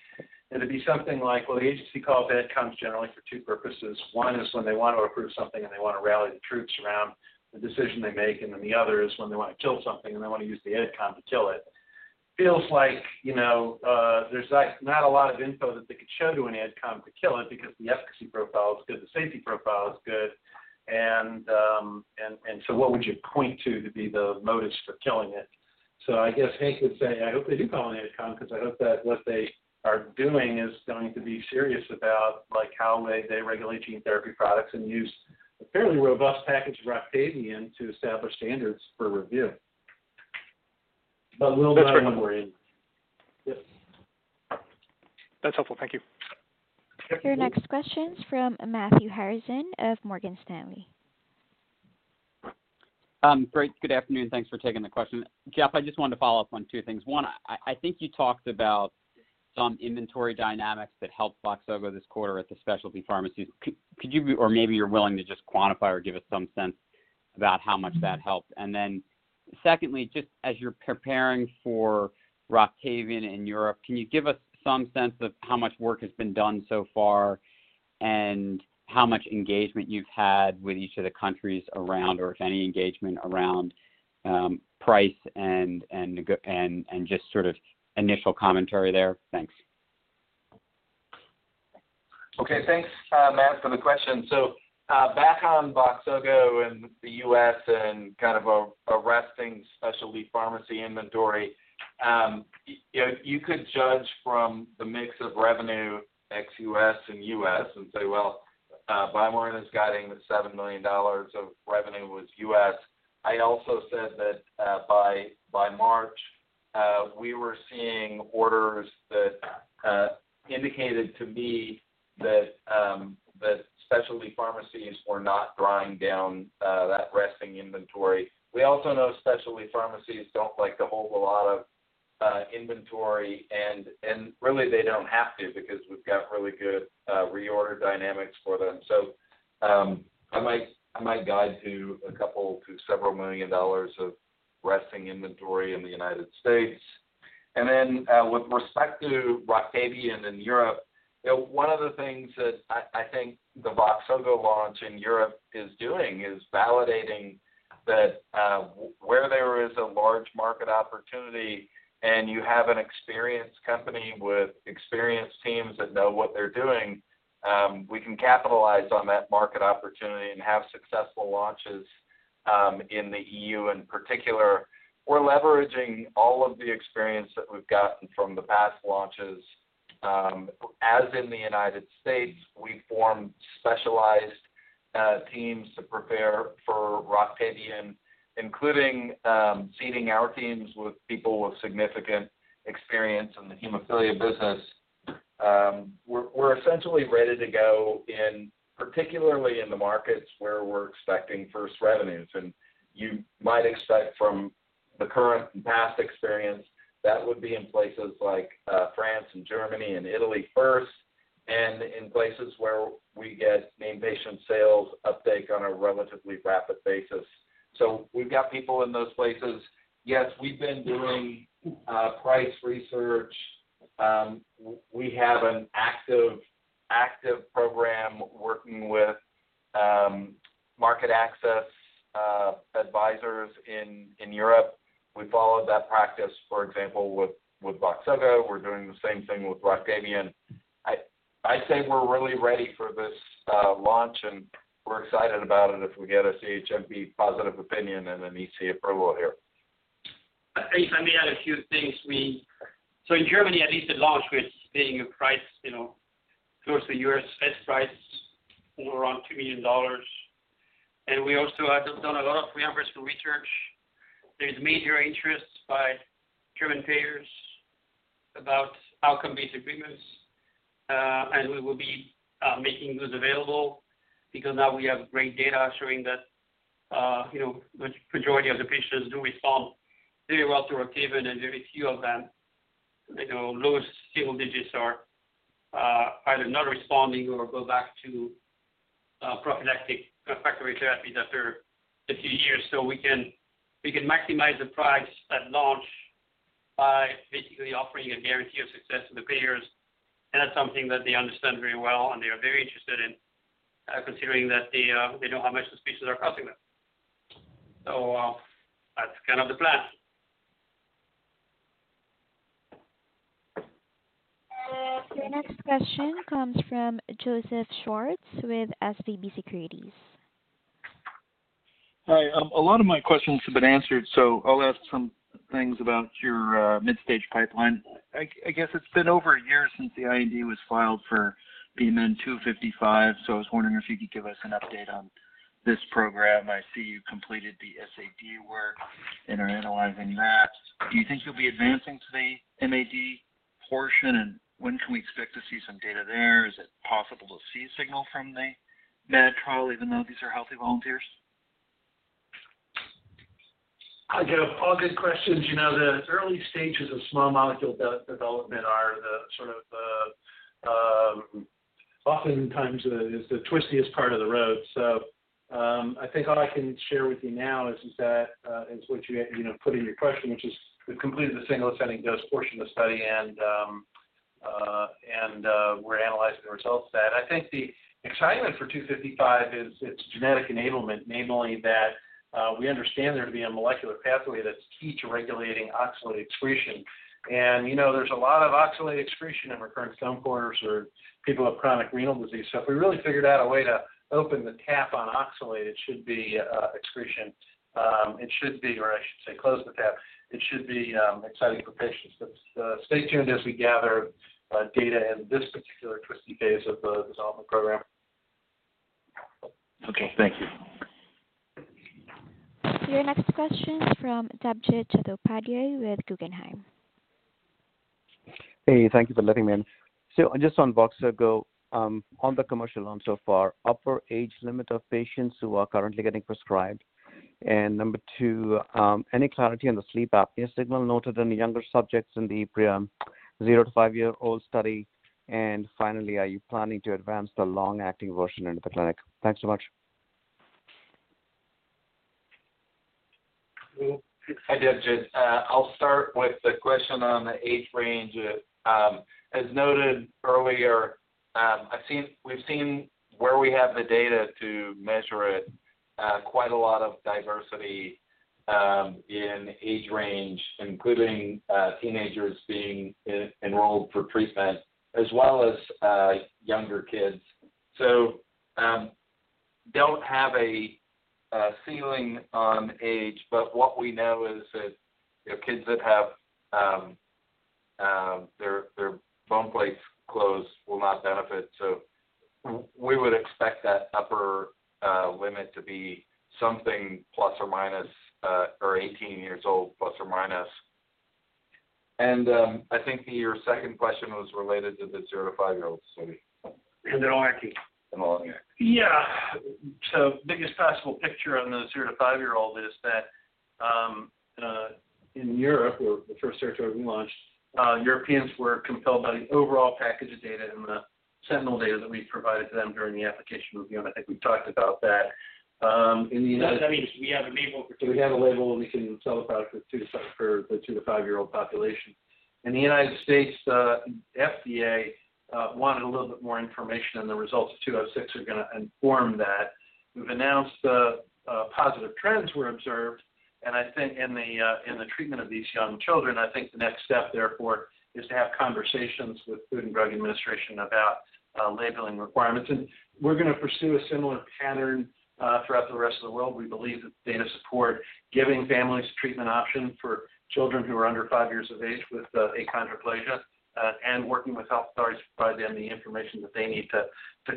It'd be something like, well, the agency calls AdComs generally for two purposes. One is when they want to approve something and they wanna rally the troops around the decision they make, and then the other is when they wanna kill something and they wanna use the AdCom to kill it. Feels like, you know, there's, like, not a lot of info that they could show to an AdCom to kill it because the efficacy profile is good, the safety profile is good. So what would you point to to be the motives for killing it? I guess Hank would say, I hope they do call an AdCom, because I hope that what they are doing is going to be serious about, like, how they regulate gene therapy products and use a fairly robust package of Roctavian to establish standards for review. But we'll know more when we're in. That's helpful. Thank you. Your next question's from Matthew Harrison of Morgan Stanley. Great. Good afternoon. Thanks for taking the question. Jeff, I just wanted to follow up on two things. One, I think you talked about some inventory dynamics that helped Voxzogo this quarter at the specialty pharmacy. Or maybe you're willing to just quantify or give us some sense about how much that helped? Secondly, just as you're preparing for Roctavian in Europe, can you give us some sense of how much work has been done so far and how much engagement you've had with each of the countries around, or if any engagement around price and just sort of initial commentary there? Thanks. Okay, thanks, Matt, for the question. Back on Voxzogo in the U.S. and kind of a resting specialty pharmacy inventory. You know, you could judge from the mix of revenue ex-U.S. and U.S. and say, "Well, BioMarin is guiding to $7 million of revenue in the U.S.." I also said that by March, we were seeing orders that indicated to me that specialty pharmacies were not drawing down that resting inventory. We also know specialty pharmacies don't like to hold a lot of inventory and really they don't have to because we've got really good reorder dynamics for them. I might guide to a couple to several million dollars of resting inventory in the United States. With respect to Roctavian in Europe, you know, one of the things that I think the Voxzogo launch in Europe is doing is validating that where there is a large market opportunity and you have an experienced company with experienced teams that know what they're doing, we can capitalize on that market opportunity and have successful launches in the E.U. in particular. We're leveraging all of the experience that we've gotten from the past launches. As in the United States, we formed specialized teams to prepare for Roctavian, including seeding our teams with people with significant experience in the hemophilia business. We're essentially ready to go in, particularly in the markets where we're expecting first revenues. You might expect from the current and past experience that would be in places like France and Germany and Italy first, and in places where we get named patient sales uptake on a relatively rapid basis. We've got people in those places. Yes, we've been doing price research. We have an active program working with market access advisors in Europe. We followed that practice, for example, with Voxzogo. We're doing the same thing with Roctavian. I'd say we're really ready for this launch, and we're excited about it if we get a CHMP positive opinion and an EC approval here. Ace, let me add a few things. In Germany, at least at launch, we're seeing a price, you know, close to U.S. set price, around $2 million. We also have done a lot of real-world evidence research. There's major interest by German payers about outcome-based agreements, and we will be making those available because now we have great data showing that, you know, the majority of the patients do respond very well to Roctavian, and very few of them, you know, lowest single digits are either not responding or go back to prophylactic factory therapy after a few years. We can maximize the price at launch by basically offering a guarantee of success to the payers. That's something that they understand very well, and they are very interested in, considering that they know how much these patients are costing them. That's kind of the plan. Your next question comes from Joseph Schwartz with SVB Securities. Hi. A lot of my questions have been answered, so I'll ask some things about your mid-stage pipeline. I guess it's been over a year since the IND was filed for BMN-255, so I was wondering if you could give us an update on this program. I see you completed the SAD work and are analyzing that. Do you think you'll be advancing to the MAD portion? And when can we expect to see some data there? Is it possible to see a signal from the MAD trial even though these are healthy volunteers? Hi, Joe. All good questions. You know, the early stages of small molecule development are sort of oftentimes the twistiest part of the road. I think what I can share with you now is that what you know put in your question, which is we've completed the single ascending dose portion of the study and we're analyzing the results of that. I think the excitement for BMN-255 is its genetic enablement, namely that we understand there to be a molecular pathway that's key to regulating oxalate excretion. And, you know, there's a lot of oxalate excretion in recurrent stone formers or people who have chronic renal disease. If we really figured out a way to open the tap on oxalate, it should be excretion. It should be exciting for patients. Stay tuned as we gather data in this particular twisty phase of the development program. Okay. Thank you. Your next question is from Debjit Chattopadhyay with Guggenheim. Hey, thank you for letting me in. Just on Voxzogo, on the commercial launch so far, upper age limit of patients who are currently getting prescribed? Number two, any clarity on the sleep apnea signal noted in the younger subjects in the zero to five year old study? Finally, are you planning to advance the long-acting version into the clinic? Thanks so much. Hi, Debjit. I'll start with the question on the age range. As noted earlier, we've seen where we have the data to measure it, quite a lot of diversity in age range, including teenagers being enrolled for treatment as well as younger kids. Don't have a ceiling on age, but what we know is that, you know, kids that have their bone plates closed will not benefit. We would expect that upper limit to be something ±18 years old, plus or minus. I think your second question was related to the zero to five year olds study. The long-acting. The long-acting. Yeah. Biggest possible picture on the zero to five year old is that, in Europe, where we first launched, Europeans were compelled by the overall package of data and the sentinel data that we provided to them during the application review, and I think we talked about that. In the United- That means we have a label. We have a label, and we can sell the product for the two to five year old population. In the United States, the FDA wanted a little bit more information, and the results of 206 are gonna inform that. We've announced the positive trends were observed, and I think in the treatment of these young children, the next step, therefore, is to have conversations with the Food and Drug Administration about labeling requirements. We're gonna pursue a similar pattern throughout the rest of the world. We believe the data support giving families treatment options for children who are under five years of age with achondroplasia, and working with health authorities to provide them the information that they need to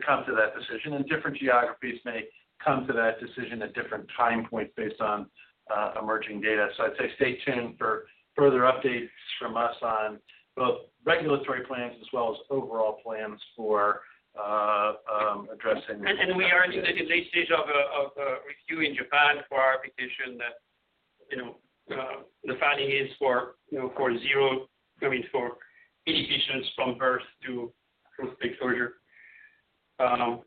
come to that decision. Different geographies may come to that decision at different time points based on emerging data. I'd say stay tuned for further updates from us on both regulatory plans as well as overall plans for addressing. We are in the late stage of review in Japan for our petition that, you know, the filing is for, you know, for Voxzogo, I mean, for any patients from birth to adult bone closure. I don't know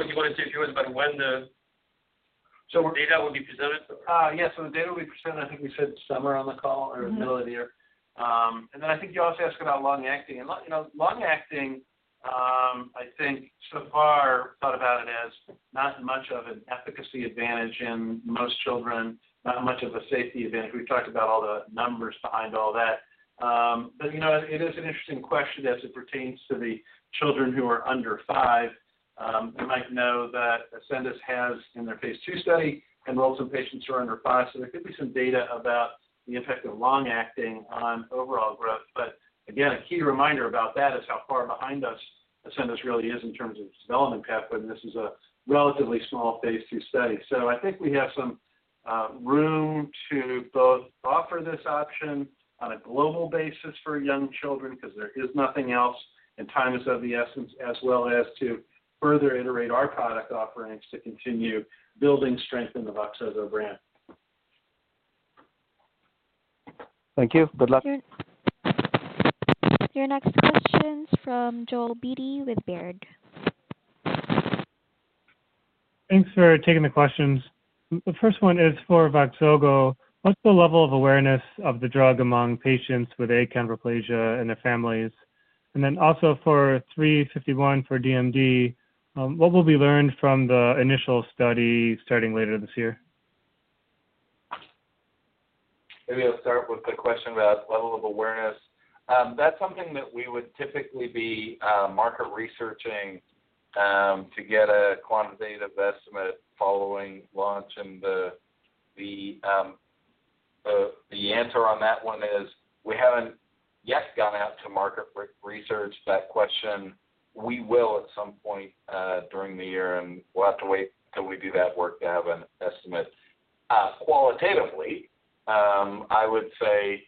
if you wanna take that about when the summer data will be presented. Yes. The data will be presented, I think we said summer on the call or middle of the year. Then I think you also asked about long-acting. You know, long-acting, I think so far thought about it as not much of an efficacy advantage in most children, not much of a safety advantage. We've talked about all the numbers behind all that. You know, it is an interesting question as it pertains to the children who are under five. You might know that Ascendis has, in their phase two study, enrolled some patients who are under five, so there could be some data about the effect of long-acting on overall growth. Again, a key reminder about that is how far behind us Ascendis really is in terms of development path, and this is a relatively small phase two study. I think we have some room to both offer this option on a global basis for young children because there is nothing else and time is of the essence, as well as to further iterate our product offerings to continue building strength in the Voxzogo brand. Thank you. Good luck. Your next question is from Joel Beatty with Baird. Thanks for taking the questions. The first one is for Voxzogo. What's the level of awareness of the drug among patients with achondroplasia and their families? And then also for BMN-351 for DMD, what will be learned from the initial study starting later this year? Maybe I'll start with the question about level of awareness. That's something that we would typically be market researching to get a quantitative estimate following launch. The answer on that one is we haven't yet gone out to market research that question. We will at some point during the year, and we'll have to wait till we do that work to have an estimate. Qualitatively, I would say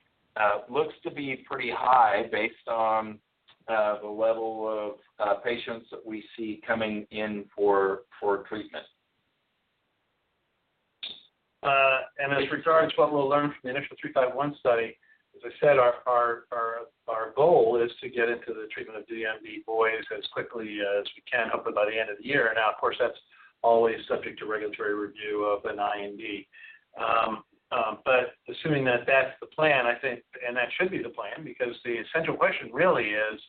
looks to be pretty high based on the level of patients that we see coming in for treatment. As regards what we'll learn from the initial BMN-351 study, as I said, our goal is to get into the treatment of DMD boys as quickly as we can, hopefully by the end of the year. Now, of course, that's always subject to regulatory review of an IND. But assuming that that's the plan, I think, and that should be the plan because the essential question really is,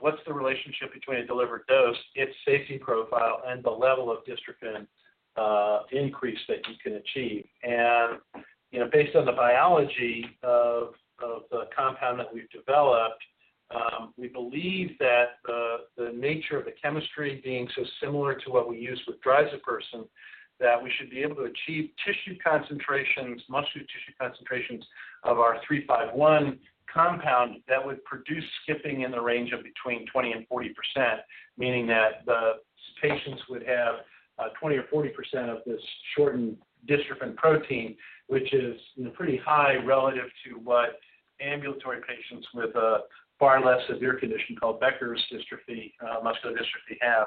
what's the relationship between a delivered dose, its safety profile, and the level of dystrophin increase that you can achieve? You know, based on the biology of the compound that we've developed, we believe that the nature of the chemistry being so similar to what we use with drisapersen, that we should be able to achieve tissue concentrations, muscular tissue concentrations of our BMN-351 compound that would produce skipping in the range of between 20% and 40%, meaning that the patients would have 20% or 40% of this shortened dystrophin protein, which is, you know, pretty high relative to what ambulatory patients with a far less severe condition called Becker muscular dystrophy have.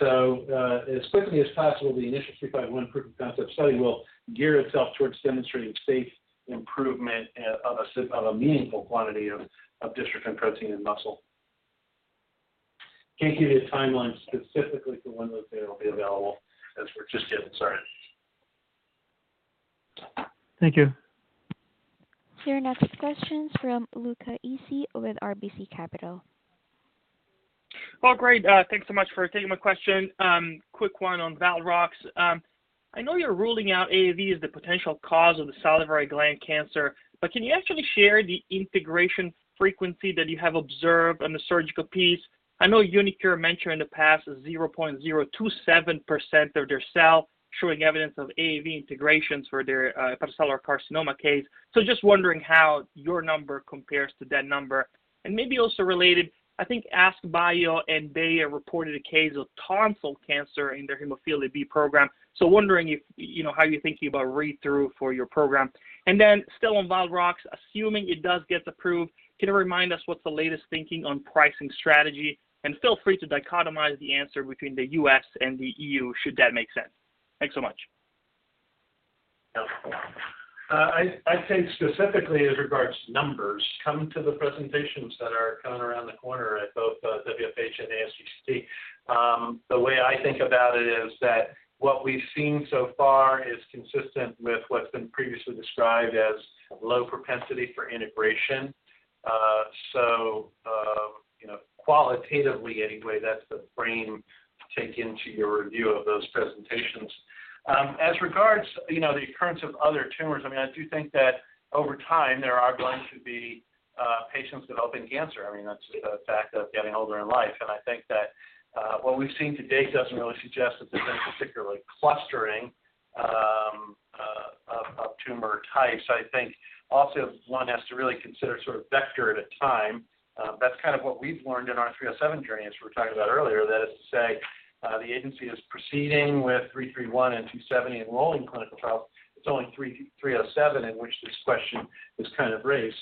As quickly as possible, the initial BMN-351 proof of concept study will gear itself towards demonstrating safe improvement of a meaningful quantity of dystrophin protein and muscle. Can't give you a timeline specifically for when those data will be available, as we're just getting started. Thank you. Your next question is from Luca Issi with RBC Capital. Well, great. Thanks so much for taking my question. Quick one on ValRox. I know you're ruling out AAV as the potential cause of the salivary gland cancer, but can you actually share the integration frequency that you have observed on the surgical piece? I know uniQure mentioned in the past 0.027% of their cells showing evidence of AAV integrations for their hepatocellular carcinoma case. Just wondering how your number compares to that number. Maybe also related, I think AskBio and they have reported a case of tonsil cancer in their hemophilia B program. Wondering if, you know, how you're thinking about read-through for your program. Then still on ValRox, assuming it does get approved, can you remind us what's the latest thinking on pricing strategy? Feel free to dichotomize the answer between the U.S. and the E.U. should that make sense. Thanks so much. I think specifically as regards to numbers coming to the presentations that are coming around the corner at both WFH and ASGCT. The way I think about it is that what we've seen so far is consistent with what's been previously described as low propensity for integration. So you know, qualitatively anyway, that's the frame to take into your review of those presentations. As regards you know, the occurrence of other tumors, I mean, I do think that over time, there are going to be patients developing cancer. I mean, that's just a fact of getting older in life. I think that what we've seen to date doesn't really suggest that there's been particularly clustering of tumor types. I think also one has to really consider sort of vector at a time. That's kind of what we've learned in our BMN-307 journey, as we were talking about earlier. That is to say, the agency is proceeding with BMN-331 and BMN-270 enrolling clinical trials. It's only BMN-307 in which this question is kind of raised.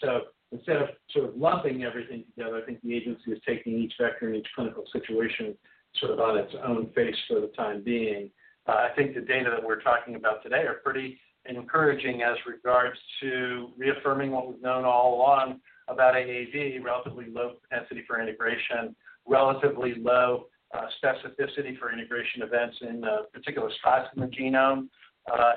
Instead of sort of lumping everything together, I think the agency is taking each vector and each clinical situation sort of on its own basis for the time being. I think the data that we're talking about today are pretty encouraging as regards to reaffirming what we've known all along about AAV, relatively low propensity for integration, relatively low specificity for integration events in particular spots in the genome,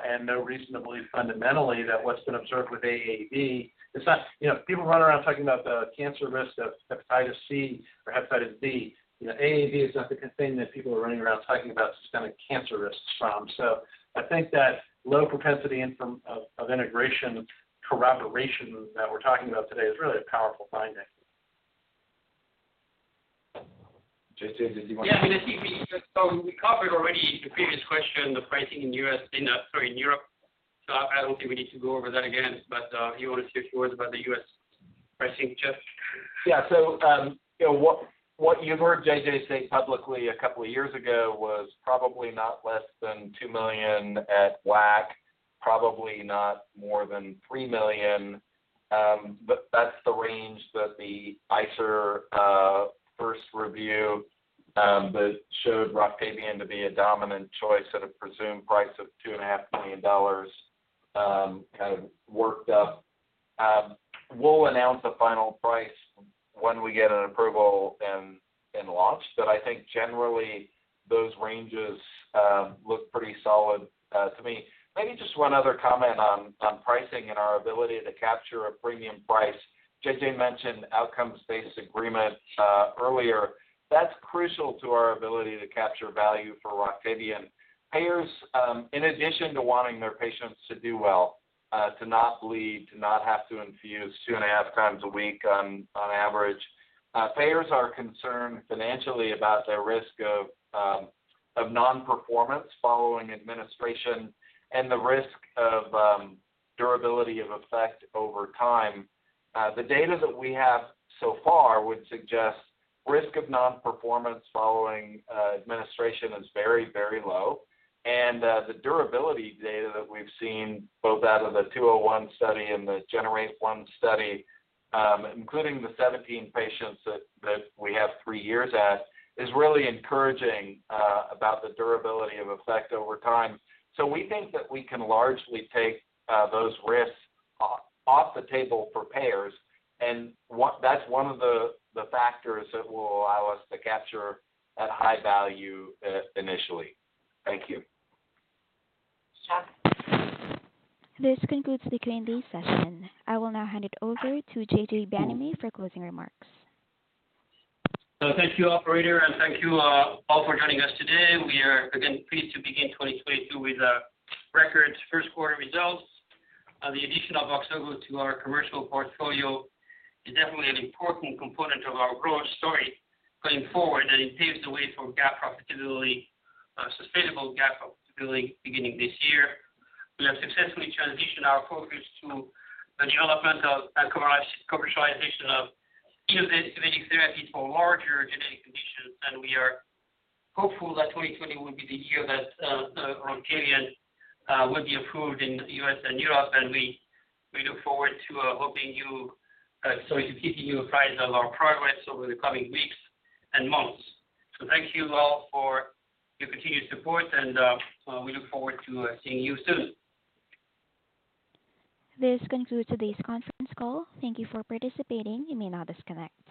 and no reason to believe fundamentally that what's been observed with AAV is that. You know, people run around talking about the cancer risk of hepatitis C or hepatitis B. You know, AAV is not the thing that people are running around talking about systemic cancer risks from. I think that low propensity in terms of integration correlation that we're talking about today is really a powerful finding. JJ, did you want to? Yeah, I mean, I think we covered already the previous question, the pricing in U.S. and, sorry, in Europe. I don't think we need to go over that again. If you wanna say a few words about the U.S. pricing, Jeff? Yeah. You know, what you heard JJ say publicly a couple of years ago was probably not less than $2 million at WAC, probably not more than $3 million. That's the range that the ICER first review that showed Roctavian to be a dominant choice at a presumed price of $2.5 million kind of worked up. We'll announce the final price when we get an approval and launch. I think generally, those ranges look pretty solid to me. Maybe just one other comment on pricing and our ability to capture a premium price. JJ mentioned outcomes-based agreement earlier. That's crucial to our ability to capture value for Roctavian. Payers, in addition to wanting their patients to do well, to not bleed, to not have to infuse 2.5 times a week, on average, payers are concerned financially about their risk of non-performance following administration and the risk of durability of effect over time. The data that we have so far would suggest risk of non-performance following administration is very, very low. The durability data that we've seen both out of the BMN-201 study and the GENEr8-1 study, including the 17 patients that we have three years at, is really encouraging about the durability of effect over time. We think that we can largely take those risks off the table for payers, and that's one of the factors that will allow us to capture that high value initially. Thank you. This concludes the Q&A session. I will now hand it over to JJ Bienaimé for closing remarks. Thank you, operator, and thank you all for joining us today. We are again pleased to begin 2022 with record first quarter results. The addition of Voxzogo to our commercial portfolio is definitely an important component of our growth story going forward, and it paves the way for GAAP profitability, sustainable GAAP profitability beginning this year. We have successfully transitioned our focus to the development of and commercialization of *audio distortion* for larger genetic conditions, and we are hopeful that 2020 will be the year that Roctavian will be approved in the U.S. and Europe, and we look forward to keeping you apprised of our progress over the coming weeks and months. Thank you all for your continued support and we look forward to seeing you soon. This concludes today's conference call. Thank you for participating. You may now disconnect.